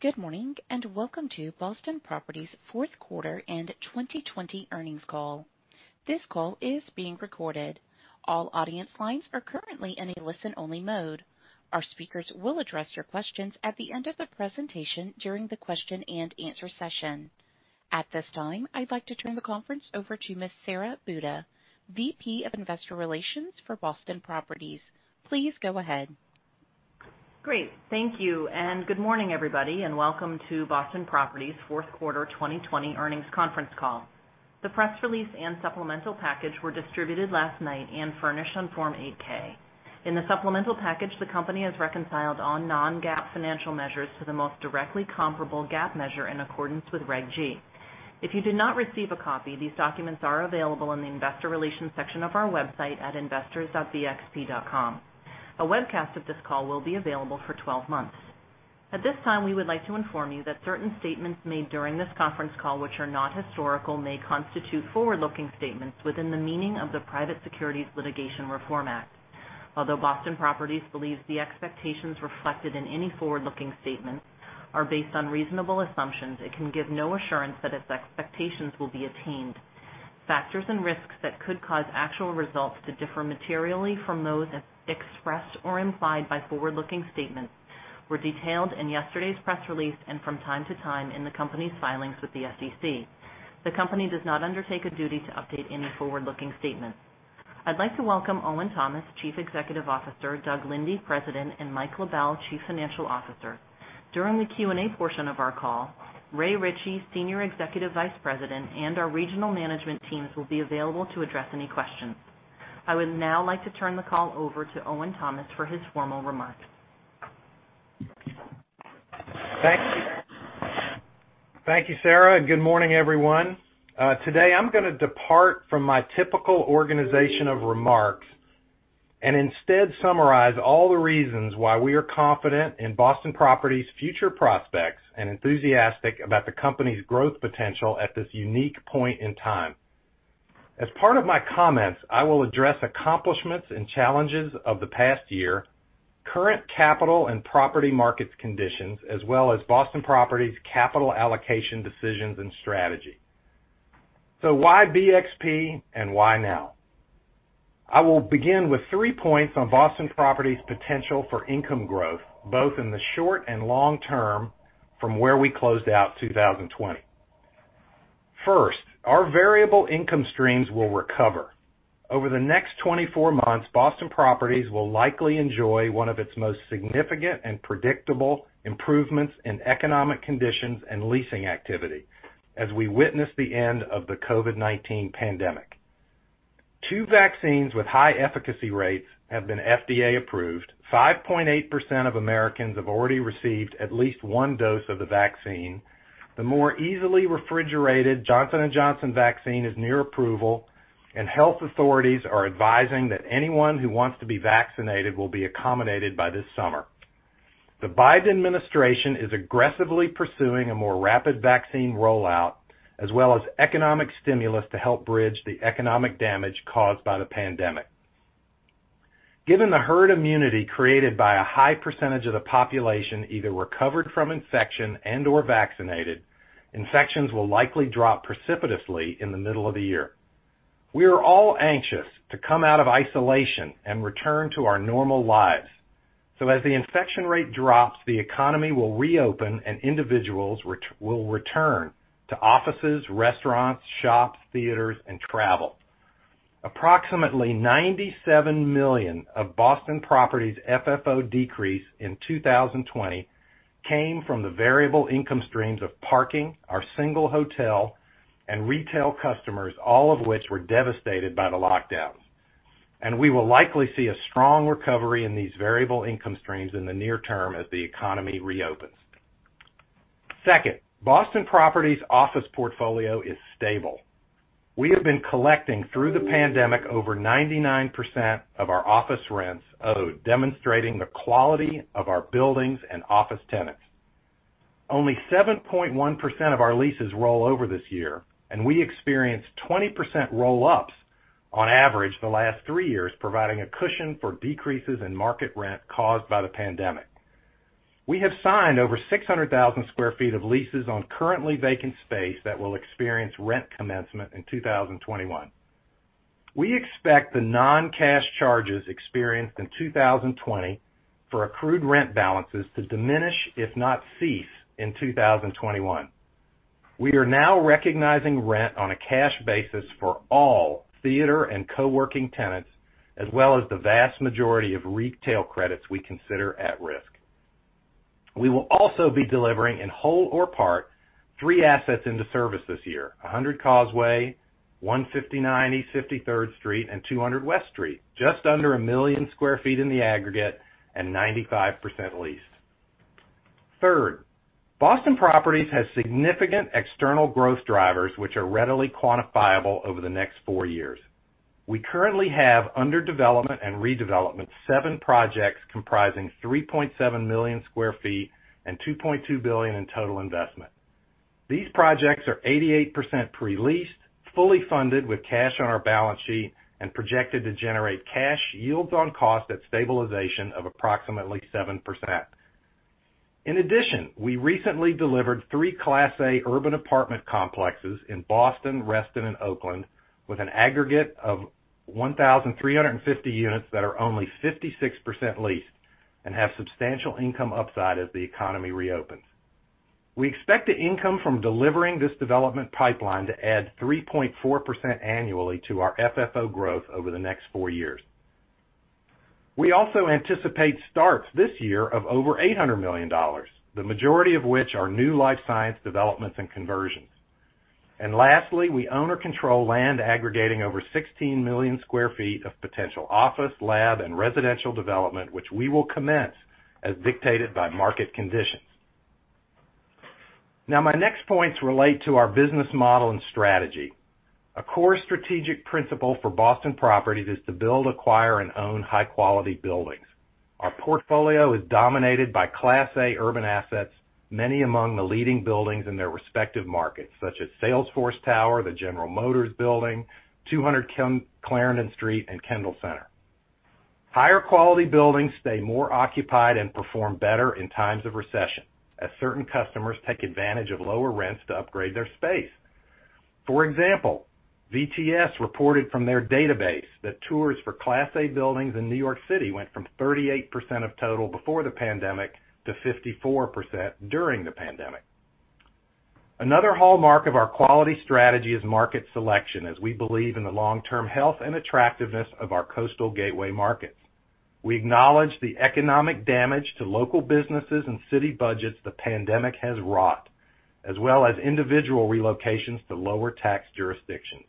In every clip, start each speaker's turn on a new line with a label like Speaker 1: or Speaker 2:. Speaker 1: Good morning. Welcome to Boston Properties' Fourth Quarter and 2020 Earnings Call. This call is being recorded. All audience lines are currently in a listen-only mode. Our speakers will address your questions at the end of the presentation during the question and answer session. At this time, I'd like to turn the conference over to Ms. Sara Buda, VP of Investor Relations for Boston Properties. Please go ahead.
Speaker 2: Great. Thank you, good morning, everybody, and welcome to Boston Properties' fourth quarter 2020 earnings conference call. The press release and supplemental package were distributed last night and furnished on Form 8-K. In the supplemental package, the company has reconciled all non-GAAP financial measures to the most directly comparable GAAP measure in accordance with Reg G. If you did not receive a copy, these documents are available in the investor relations section of our website at investors.bxp.com. A webcast of this call will be available for 12 months. At this time, we would like to inform you that certain statements made during this conference call, which are not historical, may constitute forward-looking statements within the meaning of the Private Securities Litigation Reform Act. Although Boston Properties believes the expectations reflected in any forward-looking statements are based on reasonable assumptions, it can give no assurance that its expectations will be attained. Factors and risks that could cause actual results to differ materially from those expressed or implied by forward-looking statements were detailed in yesterday's press release and from time to time in the company's filings with the SEC. The company does not undertake a duty to update any forward-looking statements. I'd like to welcome Owen Thomas, Chief Executive Officer, Doug Linde, President, and Mike LaBelle, Chief Financial Officer. During the Q&A portion of our call, Ray Ritchey, Senior Executive Vice President, and our regional management teams will be available to address any questions. I would now like to turn the call over to Owen Thomas for his formal remarks.
Speaker 3: Thank you, Sara, good morning, everyone. Today, I'm going to depart from my typical organization of remarks and instead summarize all the reasons why we are confident in Boston Properties' future prospects and enthusiastic about the company's growth potential at this unique point in time. As part of my comments, I will address accomplishments and challenges of the past year, current capital and property markets conditions, as well as Boston Properties' capital allocation decisions and strategy. Why BXP and why now? I will begin with three points on Boston Properties' potential for income growth, both in the short and long term from where we closed out 2020. First, our variable income streams will recover. Over the next 24 months, Boston Properties will likely enjoy one of its most significant and predictable improvements in economic conditions and leasing activity as we witness the end of the COVID-19 pandemic. Two vaccines with high efficacy rates have been FDA approved, 5.8% of Americans have already received at least one dose of the vaccine. The more easily refrigerated Johnson & Johnson vaccine is near approval, and health authorities are advising that anyone who wants to be vaccinated will be accommodated by this summer. The Biden administration is aggressively pursuing a more rapid vaccine rollout, as well as economic stimulus to help bridge the economic damage caused by the pandemic. Given the herd immunity created by a high percentage of the population either recovered from infection and/or vaccinated, infections will likely drop precipitously in the middle of the year. We are all anxious to come out of isolation and return to our normal lives. As the infection rate drops, the economy will reopen, and individuals will return to offices, restaurants, shops, theaters, and travel. Approximately $97 million of Boston Properties' FFO decrease in 2020 came from the variable income streams of parking, our single hotel, and retail customers, all of which were devastated by the lockdowns. We will likely see a strong recovery in these variable income streams in the near term as the economy reopens. Second, Boston Properties' office portfolio is stable. We have been collecting through the pandemic over 99% of our office rents owed, demonstrating the quality of our buildings and office tenants. Only 7.1% of our leases roll over this year, and we experienced 20% roll-ups on average the last three years, providing a cushion for decreases in market rent caused by the pandemic. We have signed over 600,000 sq ft of leases on currently vacant space that will experience rent commencement in 2021. We expect the non-cash charges experienced in 2020 for accrued rent balances to diminish, if not cease, in 2021. We are now recognizing rent on a cash basis for all theater and co-working tenants, as well as the vast majority of retail credits we consider at risk. We will also be delivering in whole or part three assets into service this year. 100 Causeway, 159 East 53rd Street, and 200 West Street, just under 1 sq feet in the aggregate and 95% leased. Third, Boston Properties has significant external growth drivers, which are readily quantifiable over the next four years. We currently have under development and redevelopment seven projects comprising 3.7 million sq ft and $2.2 billion in total investment. These projects are 88% pre-leased, fully funded with cash on our balance sheet, and projected to generate cash yields on cost at stabilization of approximately 7%. In addition, we recently delivered 3 Class A urban apartment complexes in Boston, Reston, and Oakland with an aggregate of 1,350 units that are only 56% leased and have substantial income upside as the economy reopens. We expect the income from delivering this development pipeline to add 3.4% annually to our FFO growth over the next four years. We also anticipate starts this year of over $800 million, the majority of which are new life science developments and conversions. Lastly, we own or control land aggregating over 16 million sq ft of potential office, lab, and residential development, which we will commence as dictated by market conditions. My next points relate to our business model and strategy. A core strategic principle for Boston Properties is to build, acquire, and own high-quality buildings. Our portfolio is dominated by Class A urban assets, many among the leading buildings in their respective markets, such as Salesforce Tower, the General Motors Building, 200 Clarendon Street, and Kendall Center. Higher-quality buildings stay more occupied and perform better in times of recession, as certain customers take advantage of lower rents to upgrade their space. For example, VTS reported from their database that tours for Class A buildings in New York City went from 38% of total before the pandemic to 54% during the pandemic. Another hallmark of our quality strategy is market selection, as we believe in the long-term health and attractiveness of our coastal gateway markets. We acknowledge the economic damage to local businesses and city budgets the pandemic has wrought, as well as individual relocations to lower tax jurisdictions.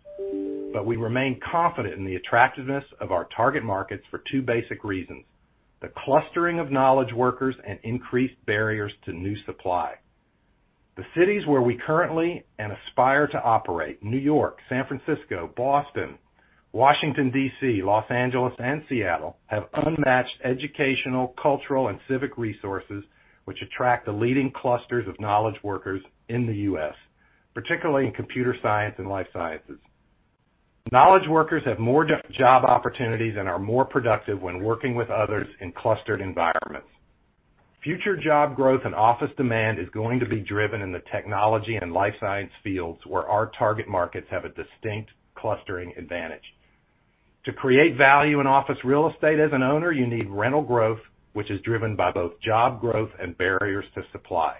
Speaker 3: We remain confident in the attractiveness of our target markets for two basic reasons: the clustering of knowledge workers and increased barriers to new supply. The cities where we currently and aspire to operate, New York, San Francisco, Boston, Washington, D.C., Los Angeles, and Seattle, have unmatched educational, cultural, and civic resources which attract the leading clusters of knowledge workers in the U.S., particularly in computer science and life sciences. Knowledge workers have more job opportunities and are more productive when working with others in clustered environments. Future job growth and office demand is going to be driven in the technology and life science fields, where our target markets have a distinct clustering advantage. To create value in office real estate as an owner, you need rental growth, which is driven by both job growth and barriers to supply.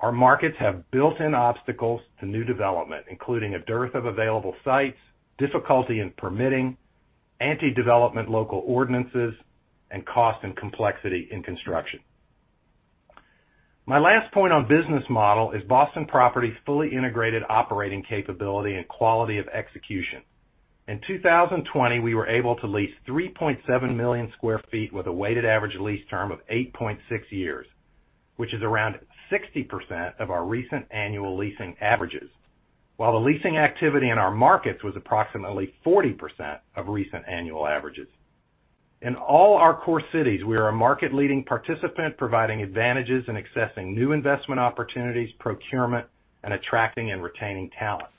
Speaker 3: Our markets have built-in obstacles to new development, including a dearth of available sites, difficulty in permitting, anti-development local ordinances, and cost and complexity in construction. My last point on business model is Boston Properties' fully integrated operating capability and quality of execution. In 2020, we were able to lease 3.7 million sq ft with a weighted average lease term of 8.6 years, which is around 60% of our recent annual leasing averages, while the leasing activity in our markets was approximately 40% of recent annual averages. In all our core cities, we are a market-leading participant, providing advantages in accessing new investment opportunities, procurement, and attracting and retaining talent.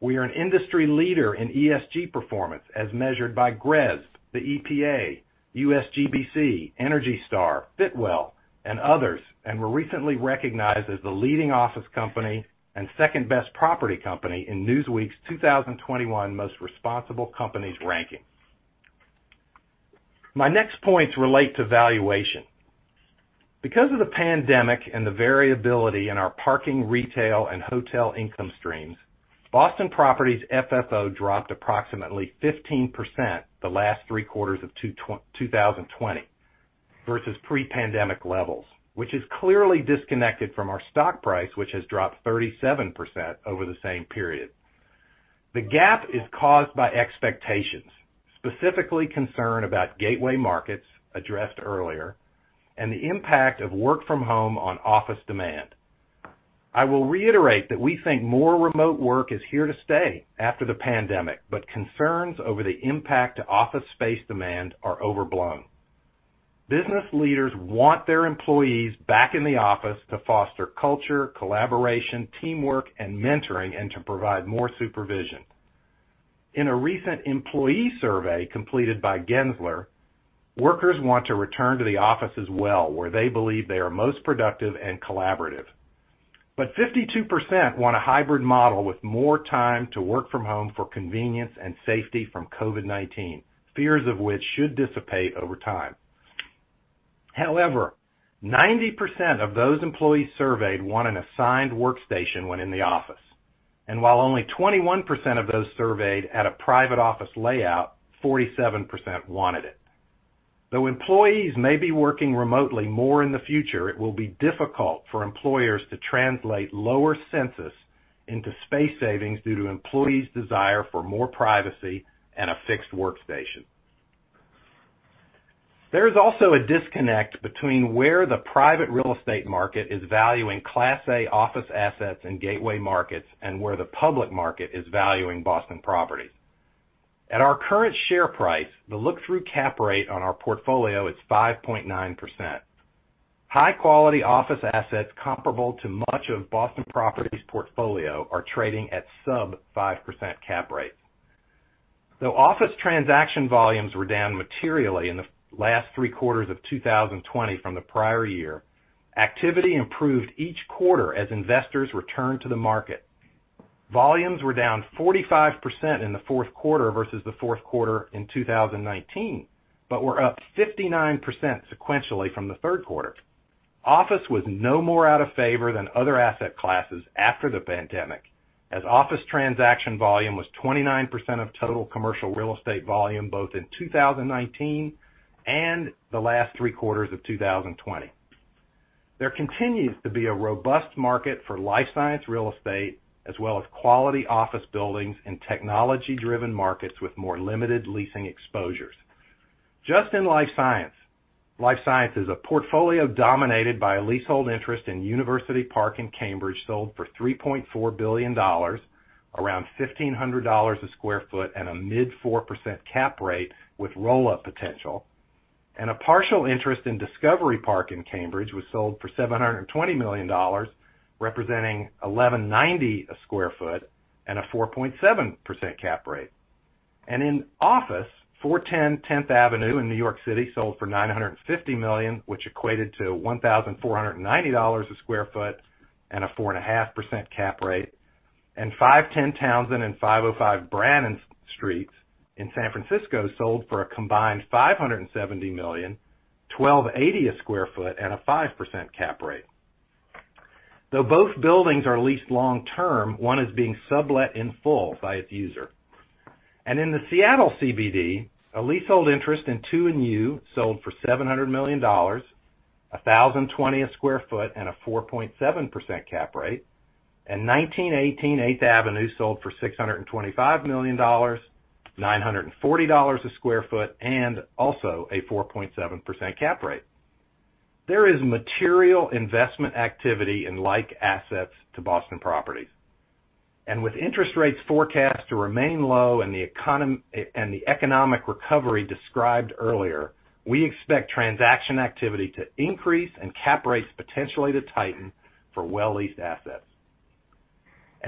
Speaker 3: We are an industry leader in ESG performance as measured by GRESB, the EPA, USGBC, Energy Star, Fitwel, and others, and were recently recognized as the leading office company and second-best property company in Newsweek's 2021 Most Responsible Companies ranking. My next points relate to valuation. Because of the pandemic and the variability in our parking, retail, and hotel income streams, Boston Properties' FFO dropped approximately 15% the last three quarters of 2020 versus pre-pandemic levels, which is clearly disconnected from our stock price, which has dropped 37% over the same period. The gap is caused by expectations, specifically concern about gateway markets, addressed earlier, and the impact of work-from-home on office demand. I will reiterate that we think more remote work is here to stay after the pandemic, but concerns over the impact to office space demand are overblown. Business leaders want their employees back in the office to foster culture, collaboration, teamwork, and mentoring, and to provide more supervision. In a recent employee survey completed by Gensler, workers want to return to the office as well, where they believe they are most productive and collaborative. 52% want a hybrid model with more time to work from home for convenience and safety from COVID-19, fears of which should dissipate over time. However, 90% of those employees surveyed want an assigned workstation when in the office. While only 21% of those surveyed had a private office layout, 47% wanted it. Though employees may be working remotely more in the future, it will be difficult for employers to translate lower census into space savings due to employees' desire for more privacy and a fixed workstation. There is also a disconnect between where the private real estate market is valuing Class A office assets and gateway markets and where the public market is valuing Boston Properties. At our current share price, the look-through cap rate on our portfolio is 5.9%. High-quality office assets comparable to much of Boston Properties' portfolio are trading at sub 5% cap rates. Though office transaction volumes were down materially in the last three quarters of 2020 from the prior year, activity improved each quarter as investors returned to the market. Volumes were down 45% in the fourth quarter versus the fourth quarter in 2019, but were up 59% sequentially from the third quarter. Office was no more out of favor than other asset classes after the pandemic, as office transaction volume was 29% of total commercial real estate volume, both in 2019 and the last three quarters of 2020. There continues to be a robust market for life science real estate, as well as quality office buildings in technology-driven markets with more limited leasing exposures. Just in life science, life science is a portfolio dominated by a leasehold interest in University Park in Cambridge, sold for $3.4 billion, around $1,500 a square foot, and a mid 4% cap rate with roll-up potential. A partial interest in Discovery Park in Cambridge was sold for $720 million, representing $1,190 a sq ft and a 4.7% cap rate. In office, 410 10th Avenue in New York City sold for $950 million, which equated to $1,490 a sq ft and a 4.5% cap rate. 510 Townsend and 505 Brannan Streets in San Francisco sold for a combined $570 million, $1,280 a sq ft and a 5% cap rate. Though both buildings are leased long-term, one is being sublet in full by its user. In the Seattle CBD, a leasehold interest in 2+U sold for $700 million, $1,020 a sq ft and a 4.7% cap rate. 1918 8th Avenue sold for $625 million, $940 a sq ft, and also a 4.7% cap rate. There is material investment activity in like assets to Boston Properties. With interest rates forecast to remain low and the economic recovery described earlier, we expect transaction activity to increase and cap rates potentially to tighten for well-leased assets.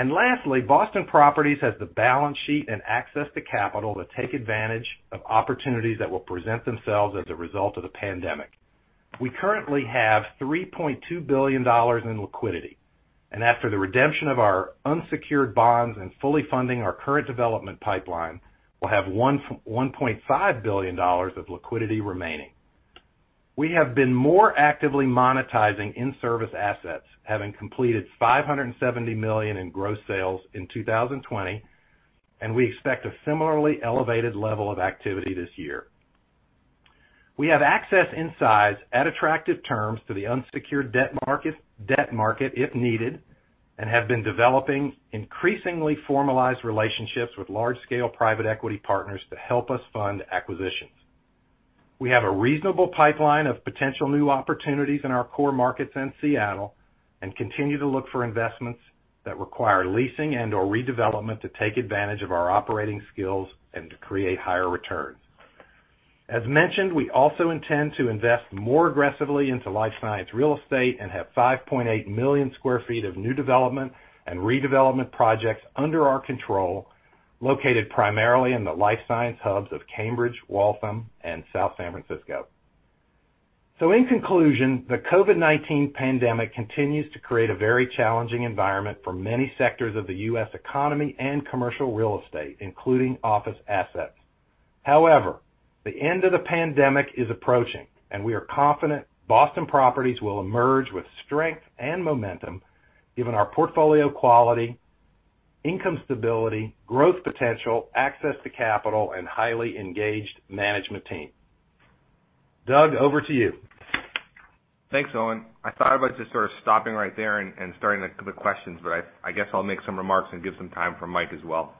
Speaker 3: Lastly, Boston Properties has the balance sheet and access to capital to take advantage of opportunities that will present themselves as a result of the pandemic. We currently have $3.2 billion in liquidity, and after the redemption of our unsecured bonds and fully funding our current development pipeline, we'll have $1.5 billion of liquidity remaining. We have been more actively monetizing in-service assets, having completed $570 million in gross sales in 2020, and we expect a similarly elevated level of activity this year. We have access in size at attractive terms to the unsecured debt market if needed, and have been developing increasingly formalized relationships with large-scale private equity partners to help us fund acquisitions. We have a reasonable pipeline of potential new opportunities in our core markets and Seattle, continue to look for investments that require leasing and/or redevelopment to take advantage of our operating skills and to create higher returns. As mentioned, we also intend to invest more aggressively into life science real estate and have 5.8 million sq ft of new development and redevelopment projects under our control, located primarily in the life science hubs of Cambridge, Waltham, and South San Francisco. In conclusion, the COVID-19 pandemic continues to create a very challenging environment for many sectors of the U.S. economy and commercial real estate, including office assets. However, the end of the pandemic is approaching, and we are confident Boston Properties will emerge with strength and momentum given our portfolio quality, income stability, growth potential, access to capital, and highly engaged management team. Doug, over to you.
Speaker 4: Thanks, Owen. I thought about just sort of stopping right there and starting the questions, but I guess I'll make some remarks and give some time for Mike as well.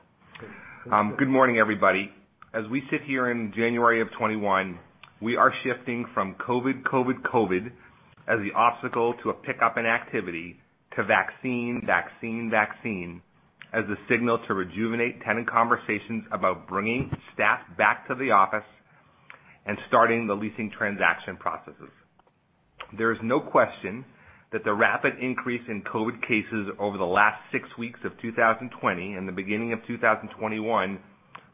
Speaker 4: Good morning, everybody. As we sit here in January of 2021, we are shifting from COVID as the obstacle to a pickup in activity to vaccine, as the signal to rejuvenate tenant conversations about bringing staff back to the office and starting the leasing transaction processes. There is no question that the rapid increase in COVID cases over the last six weeks of 2020 and the beginning of 2021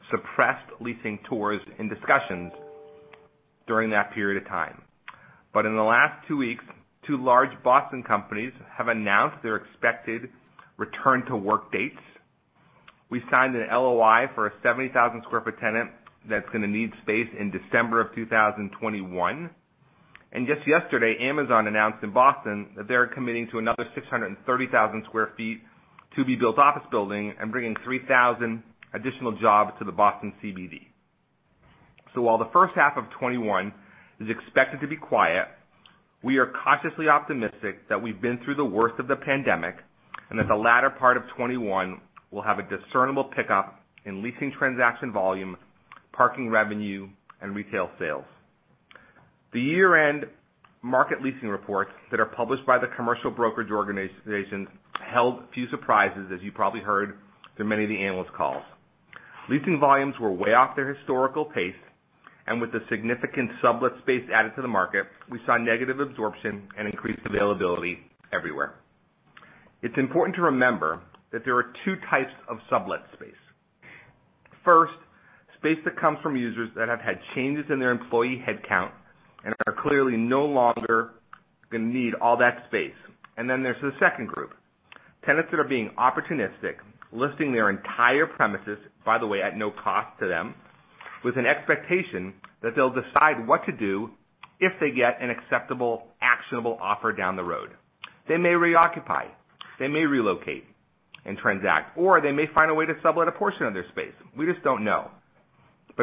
Speaker 4: suppressed leasing tours and discussions during that period of time. In the last two weeks, two large Boston companies have announced their expected return to work dates. We signed an LOI for a 70,000 sq foot tenant that's going to need space in December of 2021. Just yesterday, Amazon announced in Boston that they are committing to another 630,000 sq ft to be built office building and bringing 3,000 additional jobs to the Boston CBD. While the first half of 2021 is expected to be quiet, we are cautiously optimistic that we've been through the worst of the pandemic, and that the latter part of 2021 will have a discernible pickup in leasing transaction volume, parking revenue, and retail sales. The year-end market leasing reports that are published by the commercial brokerage organizations held few surprises, as you probably heard through many of the analyst calls. Leasing volumes were way off their historical pace, and with the significant sublet space added to the market, we saw negative absorption and increased availability everywhere. It's important to remember that there are 2 types of sublet space. First, space that comes from users that have had changes in their employee headcount and are clearly no longer going to need all that space. Then there's the second group, tenants that are being opportunistic, listing their entire premises, by the way, at no cost to them, with an expectation that they'll decide what to do if they get an acceptable, actionable offer down the road. They may reoccupy, they may relocate and transact, or they may find a way to sublet a portion of their space. We just don't know.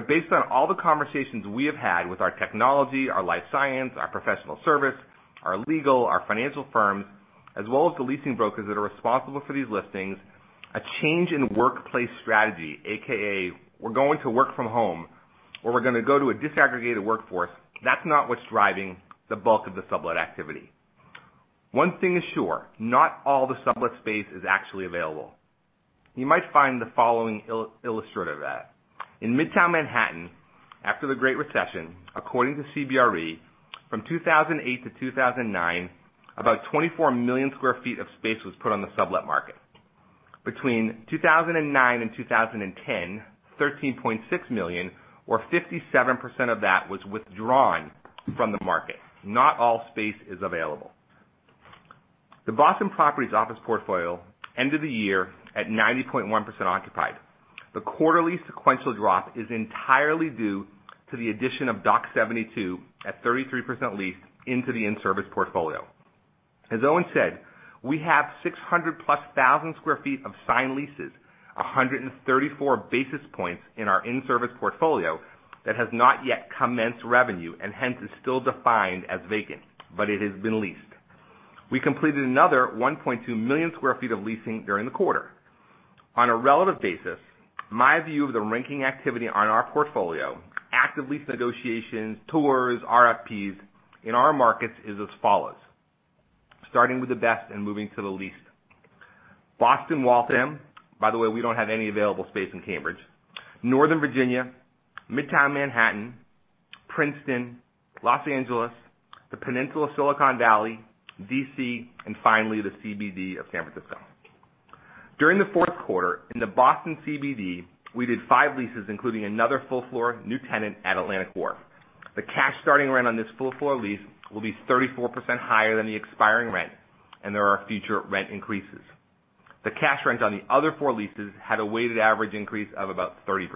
Speaker 4: Based on all the conversations we have had with our technology, our life science, our professional service, our legal, our financial firms, as well as the leasing brokers that are responsible for these listings, a change in workplace strategy, AKA, we're going to work from home, or we're going to go to a disaggregated workforce, that's not what's driving the bulk of the sublet activity. One thing is sure, not all the sublet space is actually available. You might find the following illustrative of that. In Midtown Manhattan, after the Great Recession, according to CBRE, from 2008 to 2009, about 24 million sq ft of space was put on the sublet market. Between 2009 and 2010, 13.6 million, or 57% of that, was withdrawn from the market. Not all space is available. The Boston Properties office portfolio ended the year at 90.1% occupied. The quarterly sequential drop is entirely due to the addition of Dock 72 at 33% leased into the in-service portfolio. As Owen said, we have 600+ thousand sq ft of signed leases, 134 basis points in our in-service portfolio that has not yet commenced revenue, and hence is still defined as vacant, but it has been leased. We completed another 1.2 million sq ft of leasing during the quarter. On a relative basis, my view of the ranking activity on our portfolio, active lease negotiations, tours, RFPs in our markets is as follows, starting with the best and moving to the least. Boston, Waltham. By the way, we don't have any available space in Cambridge. Northern Virginia, Midtown Manhattan, Princeton, Los Angeles, the Peninsula Silicon Valley, D.C., and finally, the CBD of San Francisco. During the fourth quarter in the Boston CBD, we did five leases, including another full-floor new tenant at Atlantic Wharf. The cash starting rent on this full-floor lease will be 34% higher than the expiring rent, and there are future rent increases. The cash rents on the other four leases had a weighted average increase of about 30%.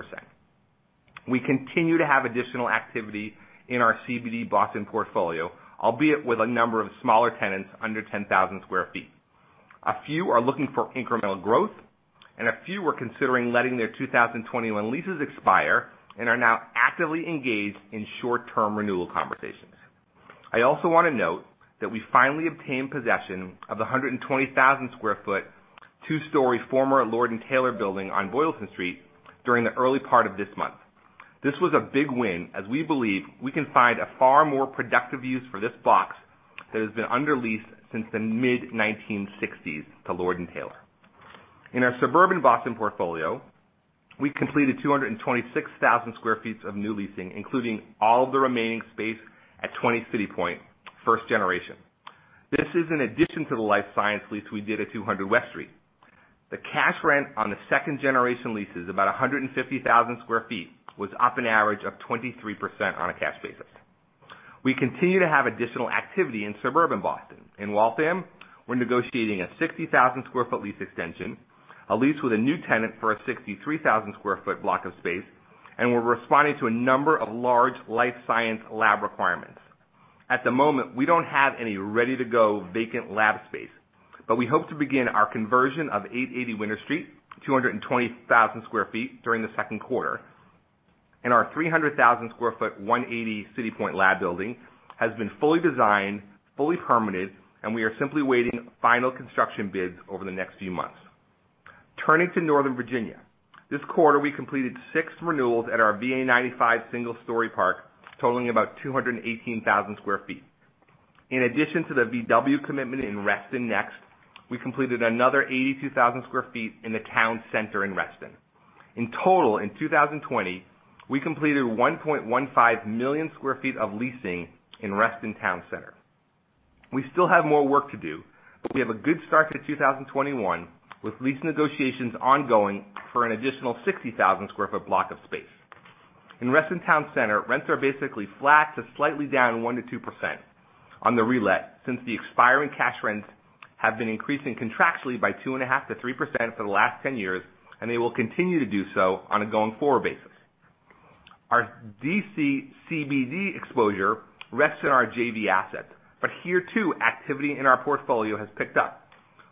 Speaker 4: We continue to have additional activity in our CBD Boston portfolio, albeit with a number of smaller tenants under 10,000 sq ft. A few are looking for incremental growth, and a few are considering letting their 2021 leases expire and are now actively engaged in short-term renewal conversations. I also want to note that we finally obtained possession of the 120,000 sq ft, two-story former Lord & Taylor building on Boylston Street during the early part of this month. This was a big win, as we believe we can find a far more productive use for this box that has been under lease since the mid-1960s to Lord & Taylor. In our suburban Boston portfolio, we completed 226,000 sq ft of new leasing, including all the remaining space at 20 CityPoint, first generation. This is in addition to the life science lease we did at 200 West Street. The cash rent on the second generation leases, about 150,000 sq ft, was up an average of 23% on a cash basis. We continue to have additional activity in suburban Boston. In Waltham, we're negotiating a 60,000 sq ft lease extension, a lease with a new tenant for a 63,000 sq ft block of space, and we're responding to a number of large life science lab requirements. At the moment, we don't have any ready-to-go vacant lab space. We hope to begin our conversion of 880 Winter Street, 220,000 sq ft, during the second quarter. Our 300,000 sq ft, 180 CityPoint lab building has been fully designed, fully permitted, and we are simply waiting final construction bids over the next few months. Turning to Northern Virginia. This quarter, we completed six renewals at our VA 95 single-story park, totaling about 218,000 sq ft. In addition to the VW commitment in Reston Next, we completed another 82,000 sq ft in the town center in Reston. In total, in 2020, we completed 1.15 million sq ft of leasing in Reston Town Center. We still have more work to do. We have a good start to 2021, with lease negotiations ongoing for an additional 60,000 sq ft block of space. In Reston Town Center, rents are basically flat to slightly down 1%-2% on the relet, since the expiring cash rents have been increasing contractually by 2.5%-3% for the last 10 years, and they will continue to do so on a going-forward basis. Our D.C. CBD exposure rests in our JV asset. Here, too, activity in our portfolio has picked up.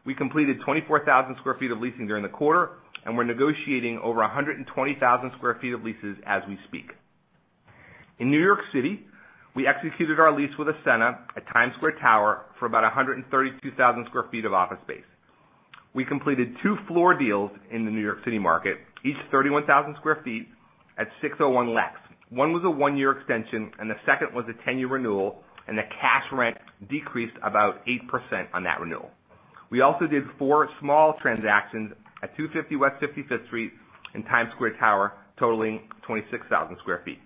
Speaker 4: We completed 24,000 sq ft of leasing during the quarter. We're negotiating over 120,000 sq ft of leases as we speak. In New York City, we executed our lease with Ascena at Times Square Tower for about 132,000 sq ft of office space. We completed two floor deals in the New York City market, each 31,000 sq ft at 601 Lex. One was a one-year extension, and the second was a 10-year renewal, and the cash rent decreased about 8% on that renewal. We also did four small transactions at 250 West 55th Street in Times Square Tower, totaling 26,000 sq ft.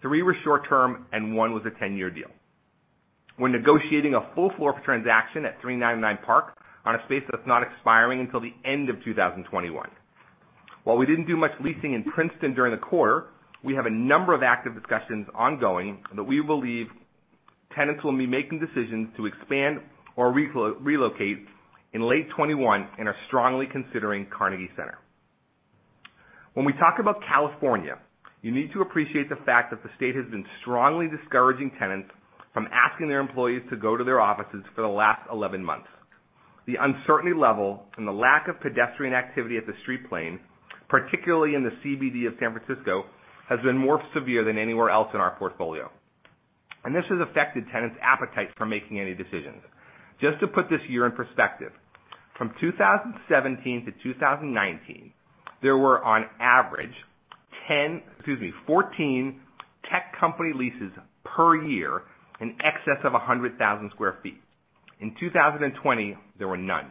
Speaker 4: Three were short-term, and one was a 10-year deal. We're negotiating a full floor transaction at 399 Park on a space that's not expiring until the end of 2021. While we didn't do much leasing in Princeton during the quarter, we have a number of active discussions ongoing that we believe tenants will be making decisions to expand or relocate in late 2021 and are strongly considering Carnegie Center. When we talk about California, you need to appreciate the fact that the state has been strongly discouraging tenants from asking their employees to go to their offices for the last 11 months. The uncertainty level and the lack of pedestrian activity at the street plane, particularly in the CBD of San Francisco, has been more severe than anywhere else in our portfolio. This has affected tenants' appetite for making any decisions. Just to put this year in perspective, from 2017 to 2019, there were on average 14 tech company leases per year in excess of 100,000 sq ft. In 2020, there were none.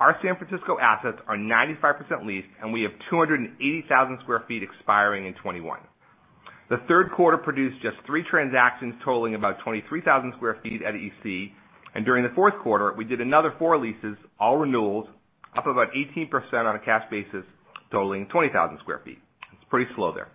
Speaker 4: Our San Francisco assets are 95% leased, and we have 280,000 sq ft expiring in 2021. The third quarter produced just three transactions totaling about 23,000 sq ft at EC. During the fourth quarter, we did another four leases, all renewals, up about 18% on a cash basis, totaling 20,000 sq ft. It's pretty slow there.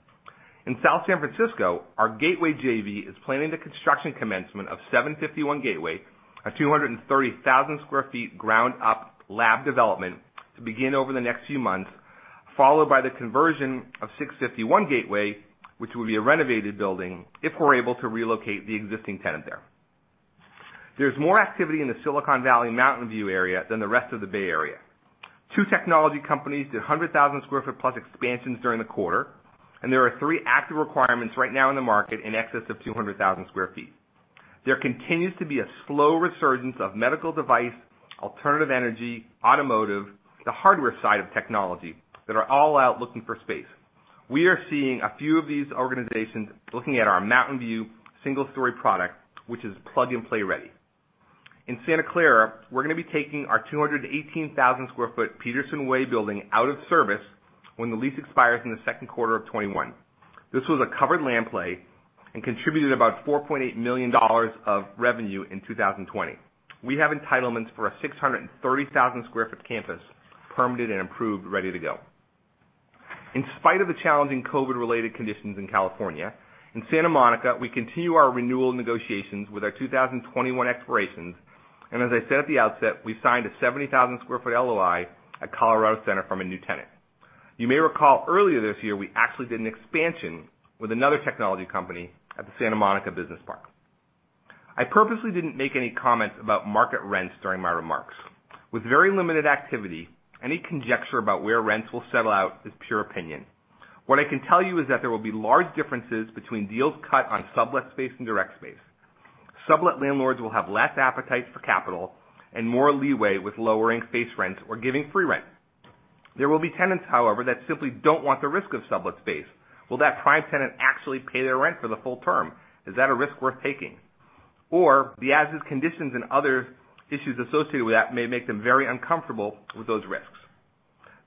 Speaker 4: In South San Francisco, our Gateway JV is planning the construction commencement of 751 Gateway, a 230,000 sq ft ground-up lab development to begin over the next few months, followed by the conversion of 651 Gateway, which will be a renovated building if we're able to relocate the existing tenant there. There's more activity in the Silicon Valley Mountain View area than the rest of the Bay Area. Two technology companies did 100,000 sq ft+ expansions during the quarter, and there are three active requirements right now in the market in excess of 200,000 sq ft. There continues to be a slow resurgence of medical device, alternative energy, automotive, the hardware side of technology that are all out looking for space. We are seeing a few of these organizations looking at our Mountain View single-story product, which is plug-and-play ready. In Santa Clara, we're going to be taking our 218,000 sq foot Peterson Way building out of service when the lease expires in the second quarter of 2021. This was a covered land play and contributed about $4.8 million of revenue in 2020. We have entitlements for a 630,000 sq foot campus, permitted and improved, ready to go. In spite of the challenging COVID-related conditions in California, in Santa Monica, we continue our renewal negotiations with our 2021 expirations, and as I said at the outset, we signed a 70,000 square foot LOI at Colorado Center from a new tenant. You may recall earlier this year, we actually did an expansion with another technology company at the Santa Monica Business Park. I purposely didn't make any comments about market rents during my remarks. With very limited activity, any conjecture about where rents will settle out is pure opinion. What I can tell you is that there will be large differences between deals cut on sublet space and direct space. Sublet landlords will have less appetite for capital and more leeway with lowering base rents or giving free rent. There will be tenants, however, that simply don't want the risk of sublet space. Will that prime tenant actually pay their rent for the full term? Is that a risk worth taking? The as-is conditions and other issues associated with that may make them very uncomfortable with those risks.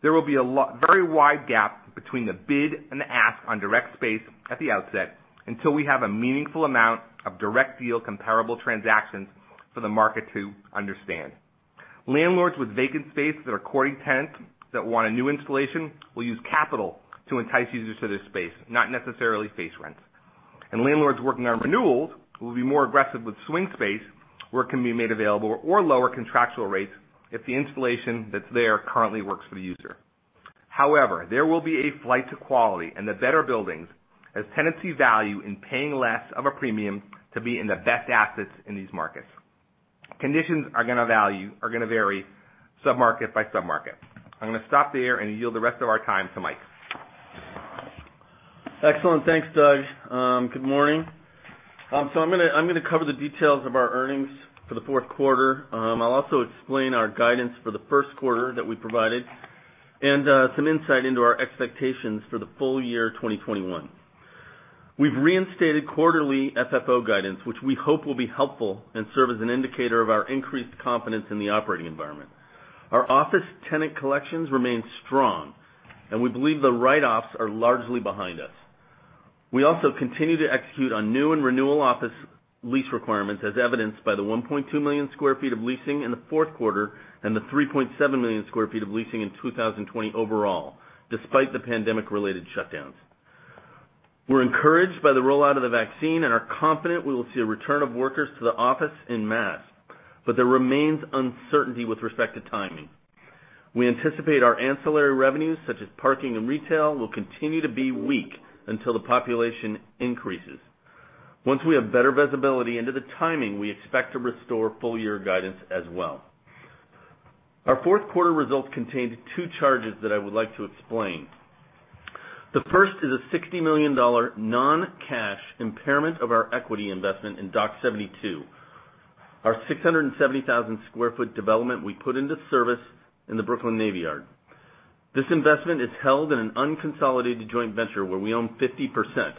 Speaker 4: There will be a very wide gap between the bid and the ask on direct space at the outset until we have a meaningful amount of direct deal comparable transactions for the market to understand. Landlords with vacant space that are courting tenants that want a new installation will use capital to entice users to this space, not necessarily face rents. Landlords working on renewals will be more aggressive with swing space, where it can be made available or lower contractual rates if the installation that's there currently works for the user. However, there will be a flight to quality in the better buildings as tenants see value in paying less of a premium to be in the best assets in these markets. Conditions are going to vary sub-market by sub-market. I'm going to stop there and yield the rest of our time to Mike.
Speaker 5: Excellent. Thanks, Doug. Good morning. I'm going to cover the details of our earnings for the fourth quarter. I'll also explain our guidance for the first quarter that we provided and some insight into our expectations for the full year 2021. We've reinstated quarterly FFO guidance, which we hope will be helpful and serve as an indicator of our increased confidence in the operating environment. Our office tenant collections remain strong, and we believe the write-offs are largely behind us. We also continue to execute on new and renewal office lease requirements, as evidenced by the 1.2 million sq ft of leasing in the fourth quarter and the 3.7 million sq ft of leasing in 2020 overall, despite the pandemic-related shutdowns. We're encouraged by the rollout of the vaccine and are confident we will see a return of workers to the office en masse, but there remains uncertainty with respect to timing. We anticipate our ancillary revenues, such as parking and retail, will continue to be weak until the population increases. Once we have better visibility into the timing, we expect to restore full-year guidance as well. Our fourth quarter results contained two charges that I would like to explain. The first is a $60 million non-cash impairment of our equity investment in Dock72, our 670,000 sq foot development we put into service in the Brooklyn Navy Yard. This investment is held in an unconsolidated joint venture where we own 50%.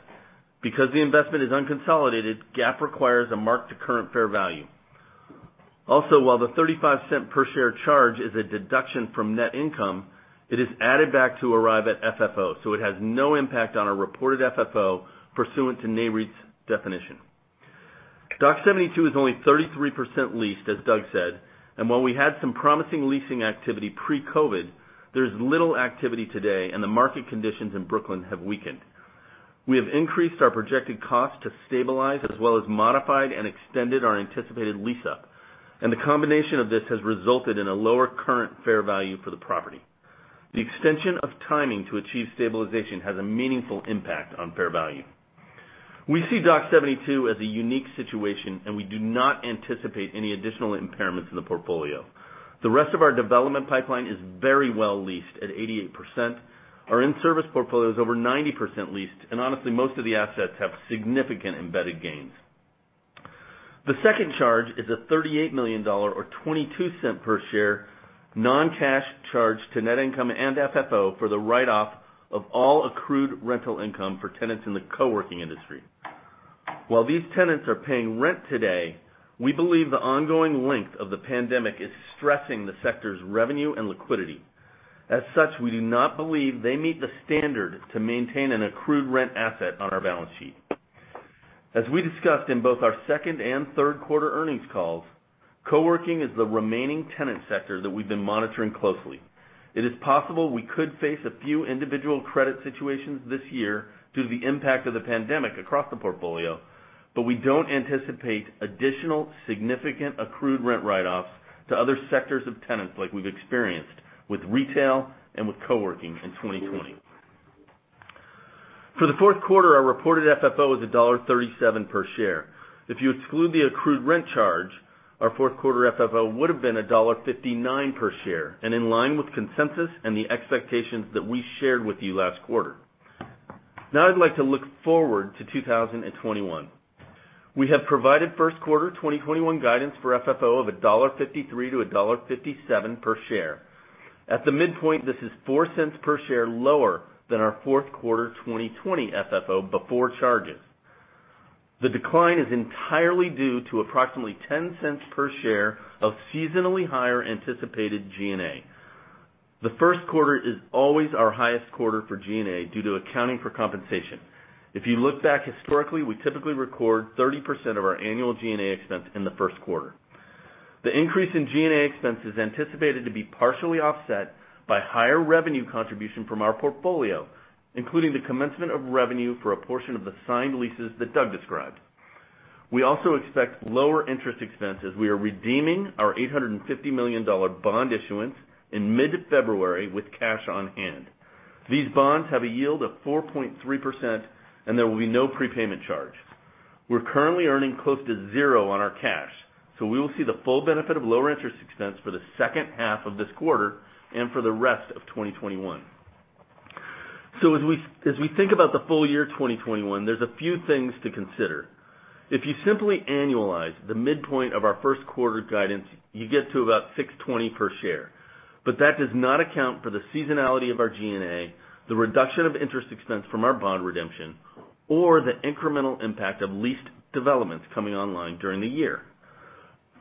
Speaker 5: Because the investment is unconsolidated, GAAP requires a mark-to-current fair value. While the $0.35 per share charge is a deduction from net income, it is added back to arrive at FFO, so it has no impact on our reported FFO pursuant to Nareit's definition. Dock72 is only 33% leased, as Doug said, and while we had some promising leasing activity pre-COVID, there's little activity today and the market conditions in Brooklyn have weakened. We have increased our projected cost to stabilize, as well as modified and extended our anticipated lease-up, and the combination of this has resulted in a lower current fair value for the property. The extension of timing to achieve stabilization has a meaningful impact on fair value. We see Dock72 as a unique situation, and we do not anticipate any additional impairments in the portfolio. The rest of our development pipeline is very well leased at 88%, our in-service portfolio is over 90% leased, and honestly, most of the assets have significant embedded gains. The second charge is a $38 million, or $0.22 per share, non-cash charge to net income and FFO for the write-off of all accrued rental income for tenants in the co-working industry. While these tenants are paying rent today, we believe the ongoing length of the pandemic is stressing the sector's revenue and liquidity. As such, we do not believe they meet the standard to maintain an accrued rent asset on our balance sheet. As we discussed in both our second and third quarter earnings calls, co-working is the remaining tenant sector that we've been monitoring closely. It is possible we could face a few individual credit situations this year due to the impact of the pandemic across the portfolio, but we don't anticipate additional significant accrued rent write-offs to other sectors of tenants like we've experienced with retail and with co-working in 2020. For the fourth quarter, our reported FFO is $1.37 per share. If you exclude the accrued rent charge, our fourth quarter FFO would have been $1.59 per share, and in line with consensus and the expectations that we shared with you last quarter. Now I'd like to look forward to 2021. We have provided first quarter 2021 guidance for FFO of $1.53-$1.57 per share. At the midpoint, this is $0.04 per share lower than our fourth quarter 2020 FFO before charges. The decline is entirely due to approximately $0.10 per share of seasonally higher anticipated G&A. The first quarter is always our highest quarter for G&A due to accounting for compensation. If you look back historically, we typically record 30% of our annual G&A expense in the first quarter. The increase in G&A expense is anticipated to be partially offset by higher revenue contribution from our portfolio, including the commencement of revenue for a portion of the signed leases that Doug described. We also expect lower interest expense as we are redeeming our $850 million bond issuance in mid-February with cash on hand. These bonds have a yield of 4.3%, and there will be no prepayment charge. We're currently earning close to zero on our cash, so we will see the full benefit of lower interest expense for the second half of this quarter and for the rest of 2021. As we think about the full year 2021, there's a few things to consider. If you simply annualize the midpoint of our first quarter guidance, you get to about $6.20 per share. That does not account for the seasonality of our G&A, the reduction of interest expense from our bond redemption, or the incremental impact of leased developments coming online during the year.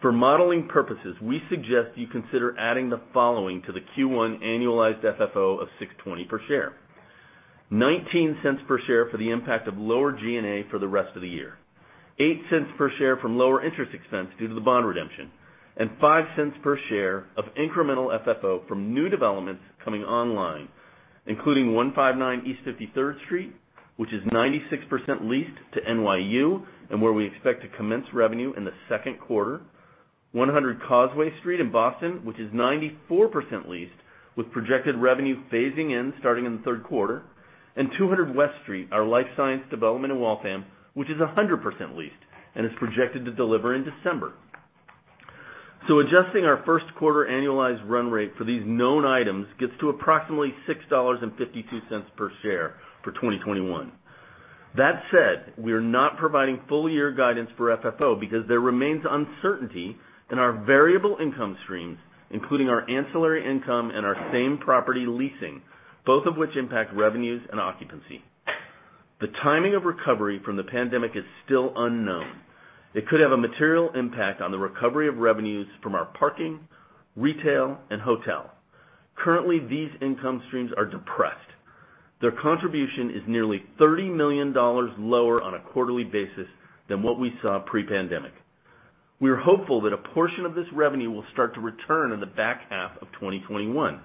Speaker 5: For modeling purposes, we suggest you consider adding the following to the Q1 annualized FFO of $6.20 per share: $0.19 per share for the impact of lower G&A for the rest of the year, $0.08 per share from lower interest expense due to the bond redemption, and $0.05 per share of incremental FFO from new developments coming online, including 159 East 53rd Street, which is 96% leased to NYU, and where we expect to commence revenue in the second quarter, 100 Causeway Street in Boston, which is 94% leased with projected revenue phasing in starting in the third quarter, and 200 West Street, our life science development in Waltham, which is 100% leased and is projected to deliver in December. Adjusting our first quarter annualized run rate for these known items gets to approximately $6.52 per share for 2021. That said, we are not providing full year guidance for FFO because there remains uncertainty in our variable income streams, including our ancillary income and our same property leasing, both of which impact revenues and occupancy. The timing of recovery from the pandemic is still unknown. It could have a material impact on the recovery of revenues from our parking, retail, and hotel. Currently, these income streams are depressed. Their contribution is nearly $30 million lower on a quarterly basis than what we saw pre-pandemic. We are hopeful that a portion of this revenue will start to return in the back half of 2021,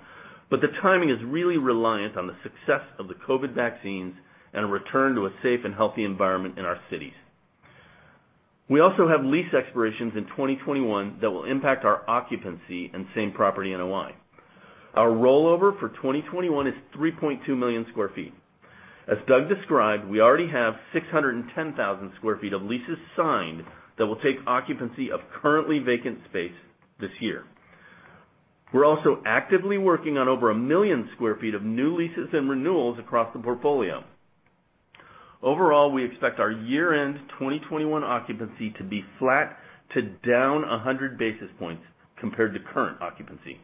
Speaker 5: but the timing is really reliant on the success of the COVID vaccines and a return to a safe and healthy environment in our cities. We also have lease expirations in 2021 that will impact our occupancy and same property NOI. Our rollover for 2021 is 3.2 million sq ft. As Doug described, we already have 610,000 sq fet of leases signed that will take occupancy of currently vacant space this year. We're also actively working on over 1 million sq ft of new leases and renewals across the portfolio. Overall, we expect our year-end 2021 occupancy to be flat to down 100 basis points compared to current occupancy.